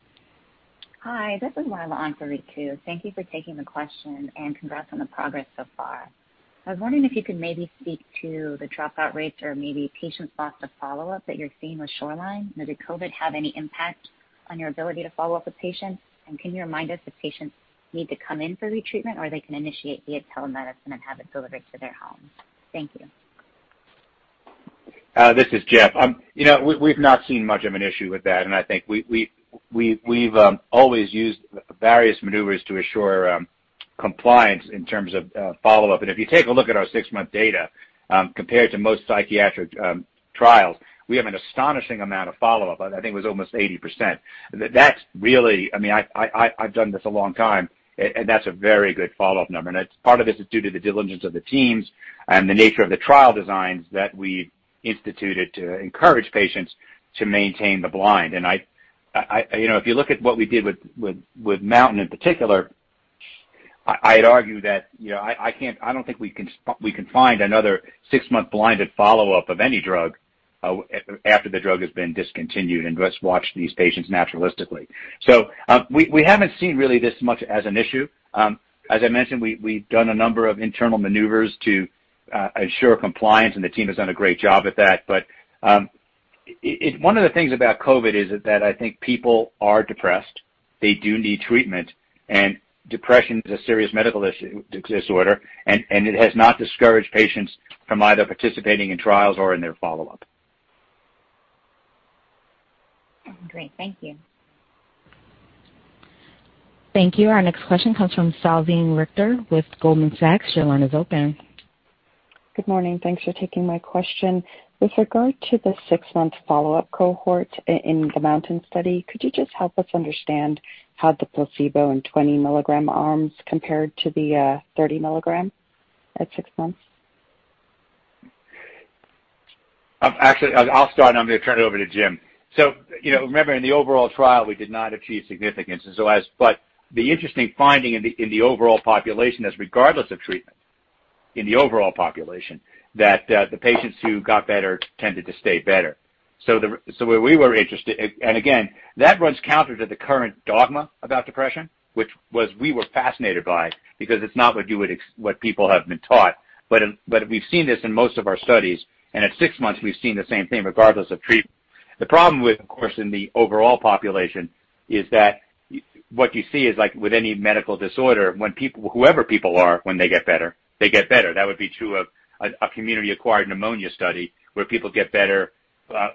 Hi, this is Ritu. Thank you for taking the question and congrats on the progress so far. I was wondering if you could maybe speak to the dropout rates or maybe patients lost to follow-up that you're seeing with SHORELINE. Did COVID have any impact on your ability to follow up with patients? Can you remind us if patients need to come in for retreatment or they can initiate via telemedicine and have it delivered to their homes? Thank you. This is Jeff. We've not seen much of an issue with that. I think we've always used various maneuvers to assure compliance in terms of follow-up. If you take a look at our six-month data compared to most psychiatric trials, we have an astonishing amount of follow-up. I think it was almost 80%. I've done this a long time, and that's a very good follow-up number. Part of this is due to the diligence of the teams and the nature of the trial designs that we've instituted to encourage patients to maintain the blind. If you look at what we did with MOUNTAIN in particular, I'd argue that I don't think we can find another six-month blinded follow-up of any drug after the drug has been discontinued and just watch these patients naturalistically. We haven't seen really this much as an issue. As I mentioned, we've done a number of internal maneuvers to ensure compliance, and the team has done a great job at that. One of the things about COVID is that I think people are depressed. They do need treatment, and depression is a serious medical disorder, and it has not discouraged patients from either participating in trials or in their follow-up. Great. Thank you. Thank you. Our next question comes from Salveen Richter with Goldman Sachs. Your line is open. Good morning. Thanks for taking my question. With regard to the six-month follow-up cohort in the MOUNTAIN study, could you just help us understand how the placebo and 20 milligram arms compared to the 30 milligram at six months? Actually, I'll start, and I'm going to turn it over to Jim. Remember, in the overall trial, we did not achieve significance. The interesting finding in the overall population is regardless of treatment, in the overall population, that the patients who got better tended to stay better. Again, that runs counter to the current dogma about depression, which we were fascinated by because it's not what people have been taught. We've seen this in most of our studies, and at six months, we've seen the same thing regardless of treatment. The problem with, of course, in the overall population is that what you see is like with any medical disorder, whoever people are, when they get better, they get better. That would be true of a community-acquired pneumonia study where people get better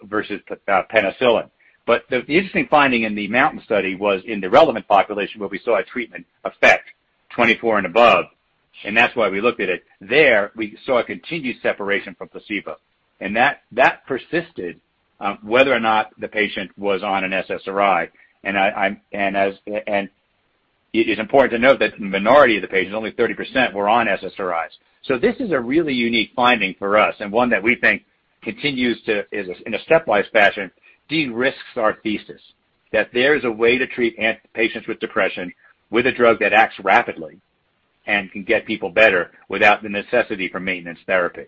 versus penicillin. The interesting finding in the MOUNTAIN study was in the relevant population where we saw a treatment effect 24 and above, and that's why we looked at it. There, we saw a continued separation from placebo, and that persisted whether or not the patient was on an SSRI. It is important to note that the minority of the patients, only 30%, were on SSRIs. This is a really unique finding for us and one that we think continues to, in a stepwise fashion, de-risks our thesis. That there is a way to treat patients with depression with a drug that acts rapidly and can get people better without the necessity for maintenance therapy.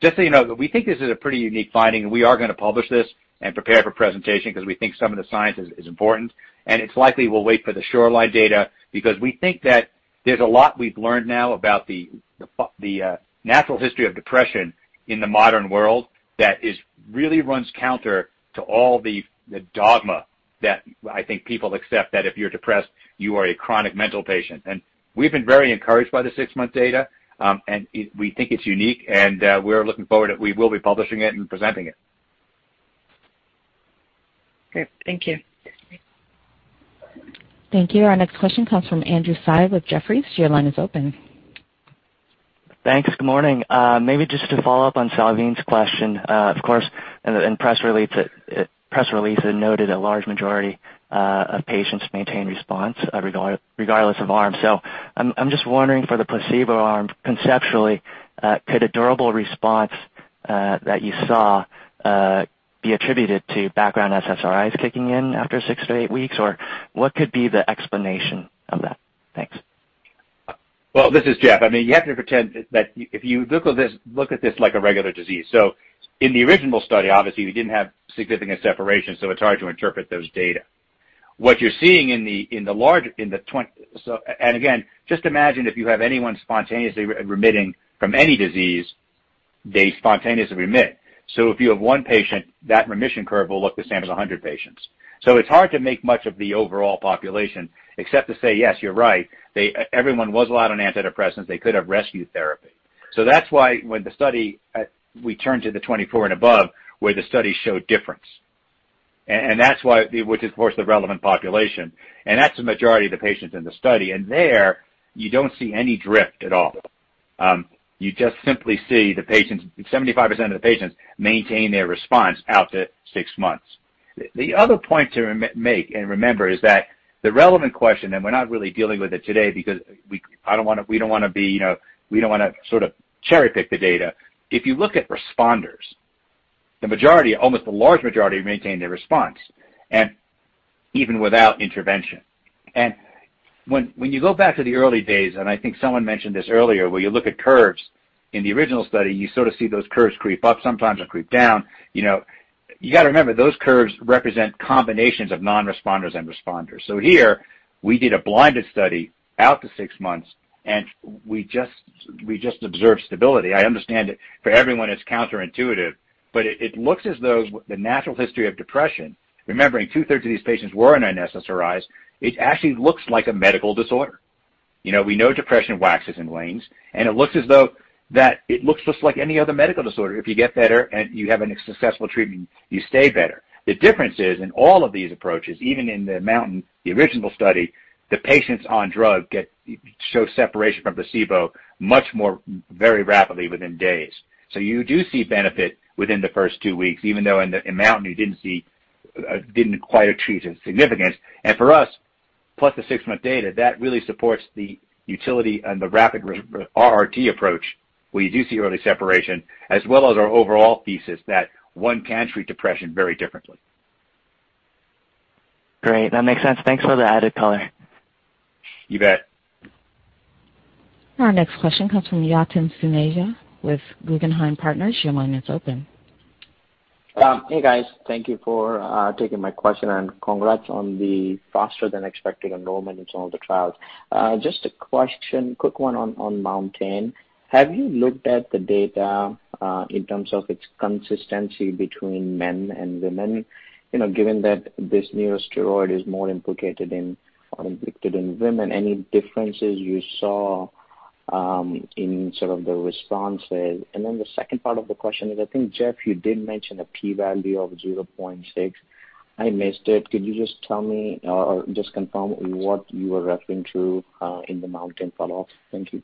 Just so you know, we think this is a pretty unique finding, and we are going to publish this and prepare for presentation because we think some of the science is important. It's likely we'll wait for the SHORELINE data because we think that there's a lot we've learned now about the natural history of depression in the modern world that really runs counter to all the dogma that I think people accept, that if you're depressed, you are a chronic mental patient. We've been very encouraged by the six-month data, and we think it's unique, and we're looking forward. We will be publishing it and presenting it. Great. Thank you. Thank you. Our next question comes from Andrew Tsai with Jefferies. Your line is open. Thanks. Good morning. Maybe just to follow up on Salveen's question. Of course, in press release, it noted a large majority of patients maintain response regardless of arm. I'm just wondering, for the placebo arm, conceptually, could a durable response that you saw be attributed to background SSRIs kicking in after six to eight weeks? Or what could be the explanation of that? Thanks. Well, this is Jeff. You have to pretend that if you look at this like a regular disease. In the original study, obviously, we didn't have significant separation, so it's hard to interpret those data. Again, just imagine if you have anyone spontaneously remitting from any disease, they spontaneously remit. If you have one patient, that remission curve will look the same as 100 patients. It's hard to make much of the overall population except to say, yes, you're right. Everyone was allowed on antidepressants, they could have rescue therapy. That's why when the study, we turned to the 24 and above, where the study showed difference. That's why, which is, of course, the relevant population, and that's the majority of the patients in the study. There you don't see any drift at all. You just simply see the patients, 75% of the patients maintain their response out to six months. The other point to make and remember is that the relevant question, we're not really dealing with it today because we don't want to sort of cherry-pick the data. If you look at responders, the majority, almost the large majority, maintain their response and even without intervention. When you go back to the early days, and I think someone mentioned this earlier, where you look at curves in the original study, you sort of see those curves creep up sometimes or creep down. You got to remember, those curves represent combinations of non-responders and responders. Here we did a blinded study out to six months, and we just observed stability. I understand that for everyone, it's counterintuitive, but it looks as though the natural history of depression, remembering two-thirds of these patients were on SSRIs, it actually looks like a medical disorder. We know depression waxes and wanes, it looks as though that it looks just like any other medical disorder. If you get better and you have a successful treatment, you stay better. The difference is, in all of these approaches, even in the MOUNTAIN, the original study, the patients on drug show separation from placebo much more, very rapidly, within days. You do see benefit within the first two weeks, even though in MOUNTAIN, you didn't quite achieve significance. For us, plus the six-month data, that really supports the utility and the rapid RRT approach, where you do see early separation, as well as our overall thesis that one can treat depression very differently. Great. That makes sense. Thanks for the added color. You bet. Our next question comes from Yatin Suneja with Guggenheim Partners. Your line is open. Hey, guys. Thank you for taking my question and congrats on the faster than expected enrollment in some of the trials. Just a question, quick one on MOUNTAIN. Have you looked at the data in terms of its consistency between men and women? Given that this neurosteroid is more implicated in or inflicted in women, any differences you saw in sort of the responses? Then the second part of the question is, I think, Jeff, you did mention a P value of 0.6. I missed it. Could you just tell me or just confirm what you were referring to in the MOUNTAIN follow-up? Thank you.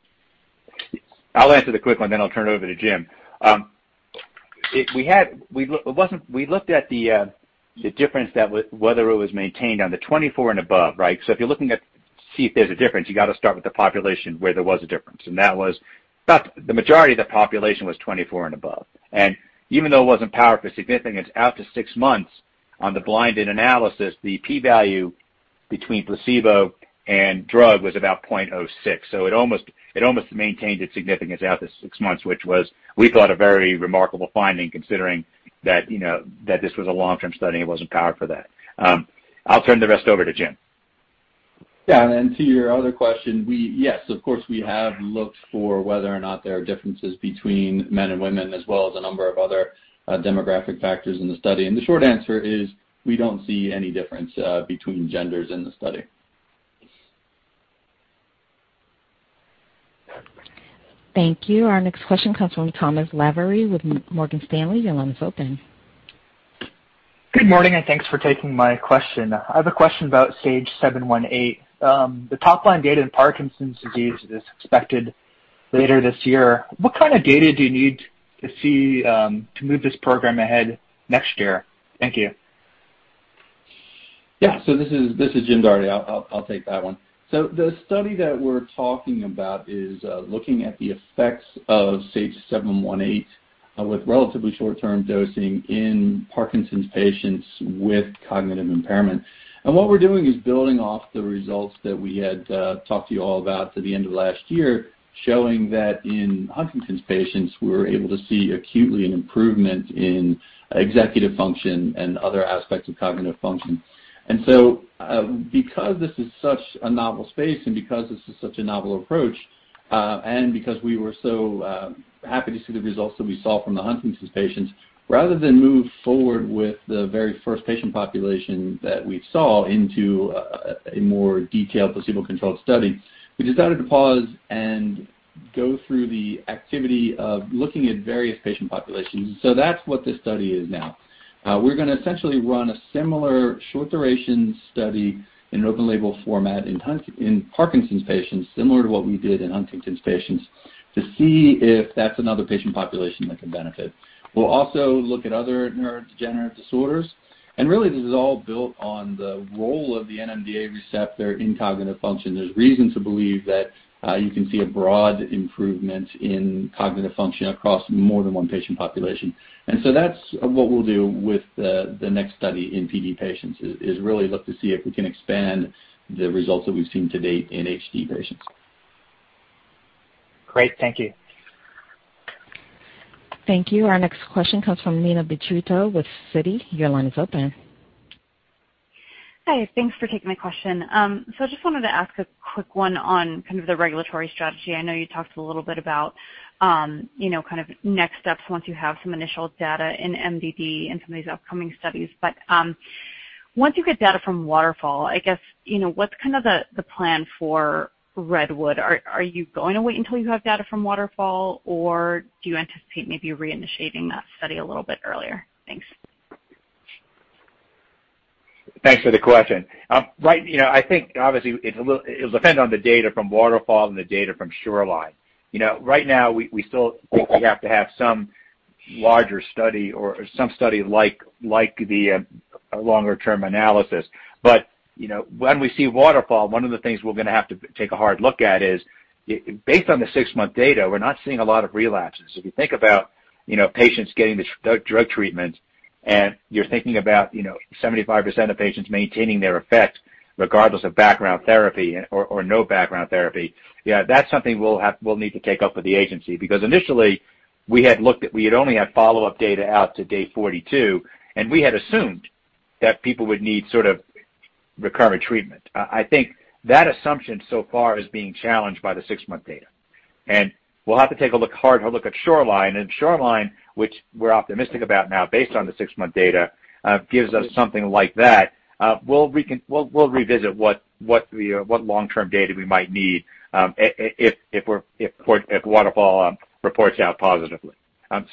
I'll answer the quick one, then I'll turn it over to Jim. We looked at the difference that whether it was maintained on the 24 and above, right? If you're looking to see if there's a difference, you got to start with the population where there was a difference, and that was about the majority of the population was 24 and above. Even though it wasn't powered for significance, out to six months on the blinded analysis, the P value between placebo and drug was about 0.06. It almost maintained its significance out to six months, which was, we thought, a very remarkable finding considering that this was a long-term study and it wasn't powered for that. I'll turn the rest over to Jim. Yeah, then to your other question, yes, of course, we have looked for whether or not there are differences between men and women as well as a number of other demographic factors in the study. The short answer is we don't see any difference between genders in the study. Thank you. Our next question comes from Thomas Lavery with Morgan Stanley. Your line is open. Good morning, thanks for taking my question. I have a question about SAGE-718. The top-line data in Parkinson's disease is expected later this year. What kind of data do you need to see to move this program ahead next year? Thank you. This is Jim Doherty. I'll take that one. The study that we're talking about is looking at the effects of SAGE-718 with relatively short-term dosing in Parkinson's patients with cognitive impairment. What we're doing is building off the results that we had talked to you all about at the end of last year, showing that in Huntington's patients, we were able to see acutely an improvement in executive function and other aspects of cognitive function. Because this is such a novel space and because this is such a novel approach, and because we were so happy to see the results that we saw from the Huntington's patients, rather than move forward with the very first patient population that we saw into a more detailed placebo-controlled study, we decided to pause and go through the activity of looking at various patient populations. That's what this study is now. We're going to essentially run a similar short-duration study in an open-label format in Parkinson's patients, similar to what we did in Huntington's patients, to see if that's another patient population that can benefit. We'll also look at other neurodegenerative disorders, really this is all built on the role of the NMDA receptor in cognitive function. There's reason to believe that you can see a broad improvement in cognitive function across more than one patient population. That's what we'll do with the next study in PD patients, is really look to see if we can expand the results that we've seen to date in HD patients. Great. Thank you. Thank you. Our next question comes from Neena Bitritto with Citi. Your line is open. Hi. Thanks for taking my question. I just wanted to ask a quick one on kind of the regulatory strategy. I know you talked a little bit about next steps once you have some initial data in MDD and some of these upcoming studies. Once you get data from WATERFALL, what's the plan for REDWOOD? Are you going to wait until you have data from WATERFALL, or do you anticipate maybe reinitiating that study a little bit earlier? Thanks. Thanks for the question. I think obviously it'll depend on the data from WATERFALL and the data from SHORELINE. Right now, we still think we have to have some larger study or some study like the longer-term analysis. When we see WATERFALL, one of the things we're going to have to take a hard look at is, based on the 6-month data, we're not seeing a lot of relapses. If you think about patients getting this drug treatment and you're thinking about 75% of patients maintaining their effect regardless of background therapy or no background therapy, that's something we'll need to take up with the agency because initially we had only had follow-up data out to day 42, and we had assumed that people would need sort of recovery treatment. I think that assumption so far is being challenged by the 6-month data. We'll have to take a hard look at SHORELINE, and if SHORELINE, which we're optimistic about now based on the six-month data, gives us something like that, we'll revisit what long-term data we might need if WATERFALL reports out positively.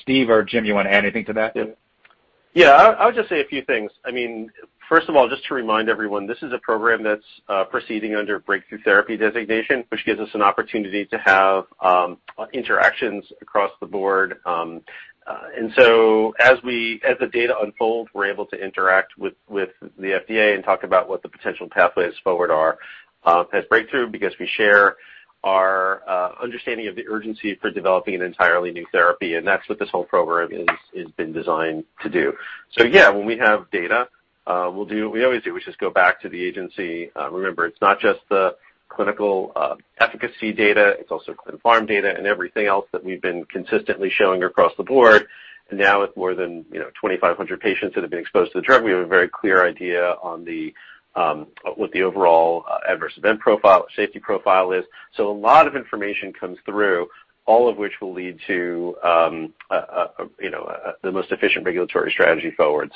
Steve or Jim, you want to add anything to that? Yeah. I would just say a few things. First of all, just to remind everyone, this is a program that's proceeding under Breakthrough Therapy designation, which gives us an opportunity to have interactions across the board. As the data unfold, we're able to interact with the FDA and talk about what the potential pathways forward are as breakthrough because we share our understanding of the urgency for developing an entirely new therapy, and that's what this whole program has been designed to do. When we have data, we'll do what we always do, which is go back to the agency. Remember, it's not just the clinical efficacy data; it's also clin pharm data and everything else that we've been consistently showing across the board. Now with more than 2,500 patients that have been exposed to the drug, we have a very clear idea on what the overall adverse event profile, safety profile is. A lot of information comes through, all of which will lead to the most efficient regulatory strategy forward.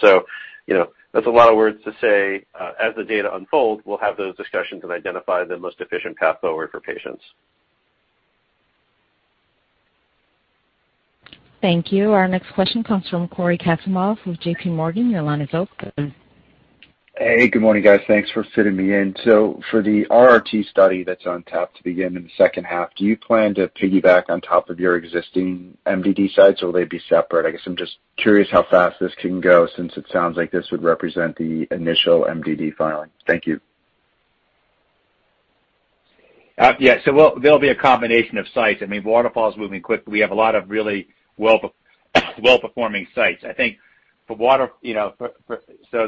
That's a lot of words to say as the data unfold, we'll have those discussions and identify the most efficient path forward for patients. Thank you. Our next question comes from Cory Kasimov with J.P. Morgan. Your line is open. Hey, good morning, guys. Thanks for fitting me in. For the RRT study that's on tap to begin in the H2, do you plan to piggyback on top of your existing MDD sites, or will they be separate? I guess I'm just curious how fast this can go since it sounds like this would represent the initial MDD filing. Thank you. Yeah. There'll be a combination of sites. WATERFALL's moving quickly. We have a lot of really well-performing sites.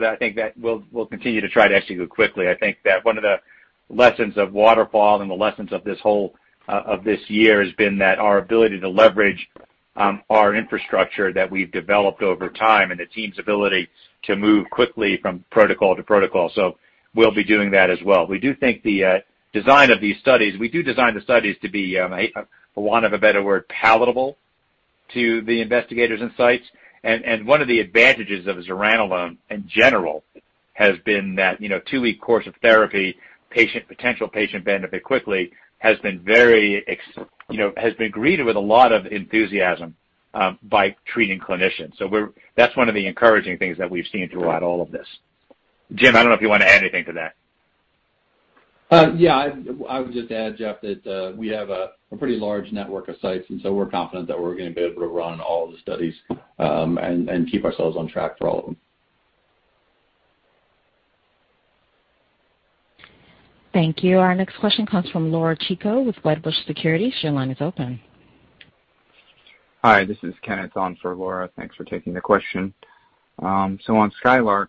I think that we'll continue to try to execute quickly. I think that one of the lessons of WATERFALL and the lessons of this year has been that our ability to leverage our infrastructure that we've developed over time and the team's ability to move quickly from protocol to protocol. We'll be doing that as well. We do think the design of these studies. We do design the studies to be, for want of a better word, palatable to the investigators and sites. One of the advantages of zuranolone in general has been that two-week course of therapy, potential patient benefit quickly has been greeted with a lot of enthusiasm by treating clinicians. That's one of the encouraging things that we've seen throughout all of this. Jim, I don't know if you want to add anything to that. Yeah. I would just add, Jeff, that we have a pretty large network of sites, and so we're confident that we're going to be able to run all of the studies and keep ourselves on track for all of them. Thank you. Our next question comes from Laura Chico with Wedbush Securities. Your line is open. Hi, this is Kenneth on for Laura. Thanks for taking the question. On SKYLARK,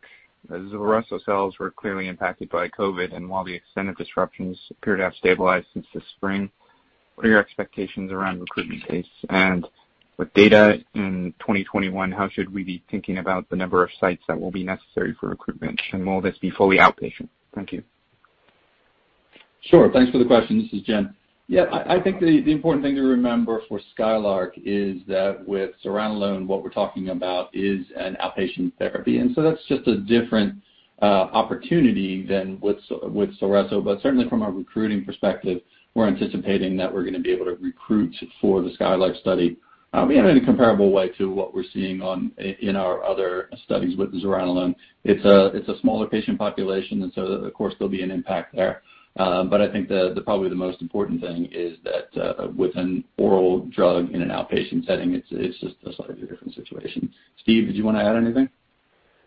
the ZULRESSO sales were clearly impacted by COVID, while the extent of disruptions appear to have stabilized since the spring, what are your expectations around recruitment pace? With data in 2021, how should we be thinking about the number of sites that will be necessary for recruitment? Will this be fully outpatient? Thank you. Sure. Thanks for the question. This is Jim. Yeah, I think the important thing to remember for SKYLARK is that with zuranolone, what we're talking about is an outpatient therapy, and so that's just a different opportunity than with ZULRESSO. Certainly from a recruiting perspective, we're anticipating that we're going to be able to recruit for the SKYLARK study in a comparable way to what we're seeing in our other studies with zuranolone. It's a smaller patient population, and so of course, there'll be an impact there. I think probably the most important thing is that with an oral drug in an outpatient setting, it's just a slightly different situation. Steve, did you want to add anything?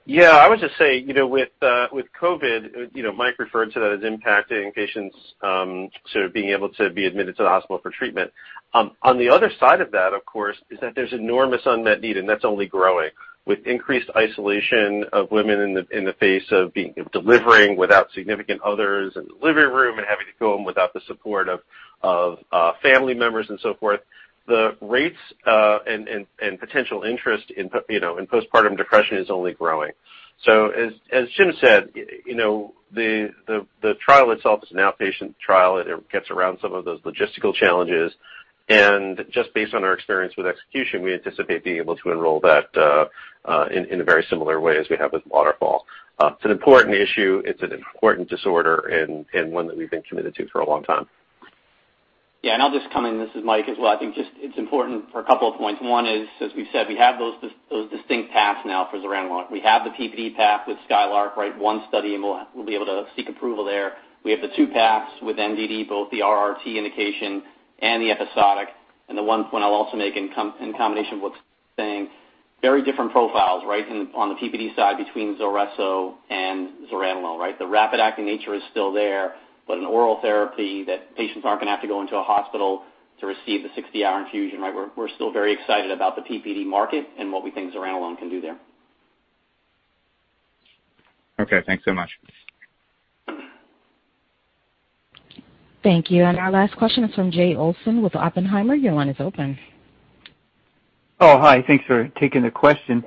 I would just say, with COVID-19, Mike referred to that as impacting patients sort of being able to be admitted to the hospital for treatment. On the other side of that, of course, is that there's enormous unmet need, and that's only growing. With increased isolation of women in the face of delivering without significant others in the delivery room and having to go home without the support of family members and so forth, the rates and potential interest in postpartum depression is only growing. As Jim said, the trial itself is an outpatient trial. It gets around some of those logistical challenges, and just based on our experience with execution, we anticipate being able to enroll that in a very similar way as we have with WATERFALL. It's an important issue, it's an important disorder, and one that we've been committed to for a long time. Yeah, I'll just come in. This is Mike as well. I think just, it's important for a couple of points. One is, as we've said, we have those distinct paths now for zuranolone. We have the PPD path with SKYLARK, right? One study, and we'll be able to seek approval there. We have the two paths with MDD, both the RRT indication and the episodic. The one point I'll also make in combination with saying very different profiles, right? On the PPD side between ZULRESSO and zuranolone, right? The rapid acting nature is still there, but an oral therapy that patients aren't going to have to go into a hospital to receive the 60-hour infusion, right? We're still very excited about the PPD market and what we think zuranolone can do there. Okay. Thanks so much. Thank you. Our last question is from Jay Olson with Oppenheimer. Your line is open. Oh, hi. Thanks for taking the question.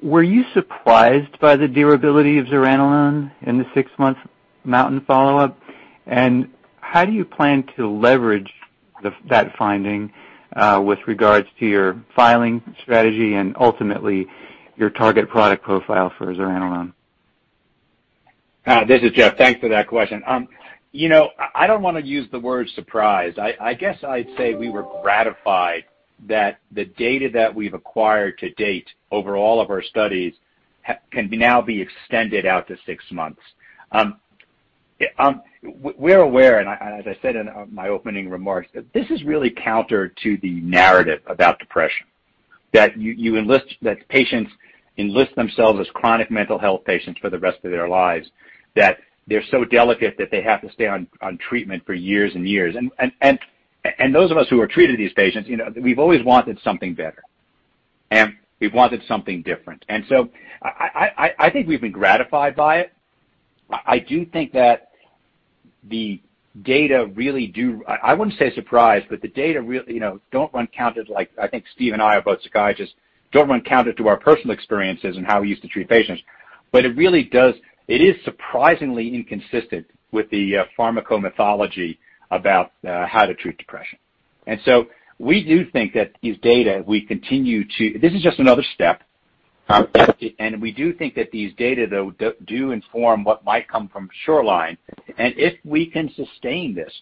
Were you surprised by the durability of zuranolone in the six months MOUNTAIN follow-up? How do you plan to leverage that finding with regards to your filing strategy and ultimately your target product profile for zuranolone? This is Jeff. Thanks for that question. I don't want to use the word surprised. I guess I'd say we were gratified that the data that we've acquired to date over all of our studies can now be extended out to six months. We're aware, and as I said in my opening remarks, that this is really counter to the narrative about depression. That patients enlist themselves as chronic mental health patients for the rest of their lives, that they're so delicate that they have to stay on treatment for years and years. Those of us who have treated these patients, we've always wanted something better, and we've wanted something different. I think we've been gratified by it. I do think that the data really do, I wouldn't say surprised, but the data really don't run counter to, like, I think Steve and I are both psychiatrists, don't run counter to our personal experiences and how we used to treat patients. It really does. It is surprisingly inconsistent with the pharmaco mythology about how to treat depression. We do think that these data. This is just another step. We do think that these data, though, do inform what might come from SHORELINE. If we can sustain this,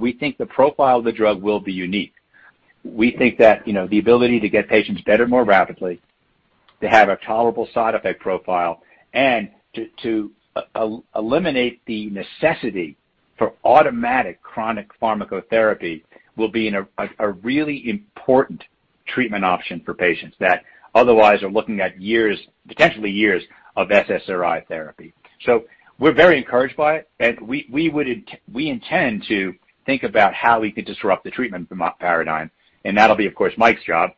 we think the profile of the drug will be unique. We think that the ability to get patients better more rapidly, to have a tolerable side effect profile, and to eliminate the necessity for automatic chronic pharmacotherapy will be a really important treatment option for patients that otherwise are looking at years, potentially years, of SSRI therapy. We're very encouraged by it, and we intend to think about how we could disrupt the treatment paradigm, and that'll be, of course, Mike's job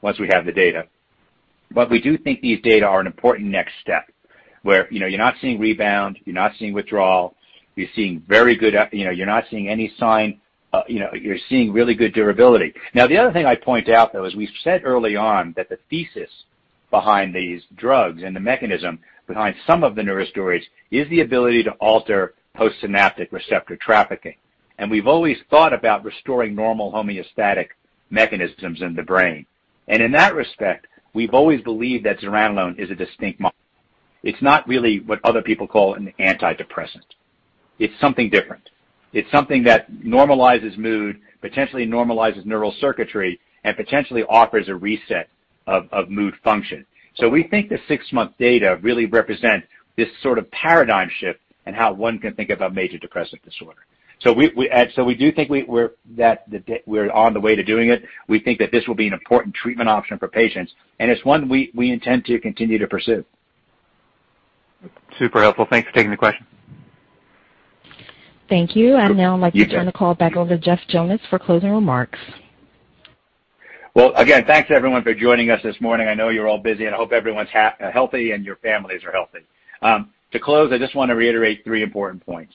once we have the data. We do think these data are an important next step, where you're not seeing rebound, you're not seeing withdrawal, you're seeing really good durability. The other thing I'd point out, though, is we said early on that the thesis behind these drugs and the mechanism behind some of the neurosteroids is the ability to alter postsynaptic receptor trafficking. We've always thought about restoring normal homeostatic mechanisms in the brain. In that respect, we've always believed that zuranolone is a distinct molecule. It's not really what other people call an antidepressant. It's something different. It's something that normalizes mood, potentially normalizes neural circuitry, and potentially offers a reset of mood function. We think the six-month data really represent this sort of paradigm shift in how one can think about major depressive disorder. We do think that we're on the way to doing it. We think that this will be an important treatment option for patients, and it's one we intend to continue to pursue. Super helpful. Thanks for taking the question. Thank you. Now I'd like to turn the call back over to Jeff Jonas for closing remarks. Well, again, thanks everyone for joining us this morning. I know you're all busy. I hope everyone's healthy and your families are healthy. To close, I just want to reiterate three important points.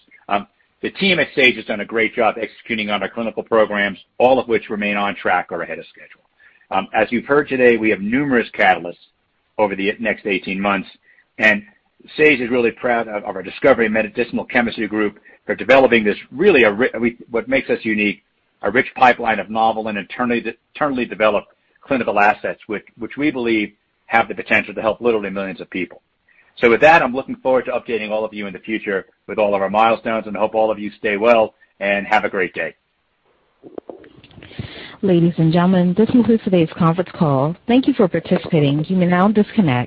The team at Sage has done a great job executing on our clinical programs, all of which remain on track or ahead of schedule. As you've heard today, we have numerous catalysts over the next 18 months. Sage is really proud of our discovery medicinal chemistry group for developing this really, what makes us unique, a rich pipeline of novel and internally developed clinical assets, which we believe have the potential to help literally millions of people. With that, I'm looking forward to updating all of you in the future with all of our milestones. I hope all of you stay well and have a great day. Ladies and gentlemen, this concludes today's conference call. Thank you for participating. You may now disconnect.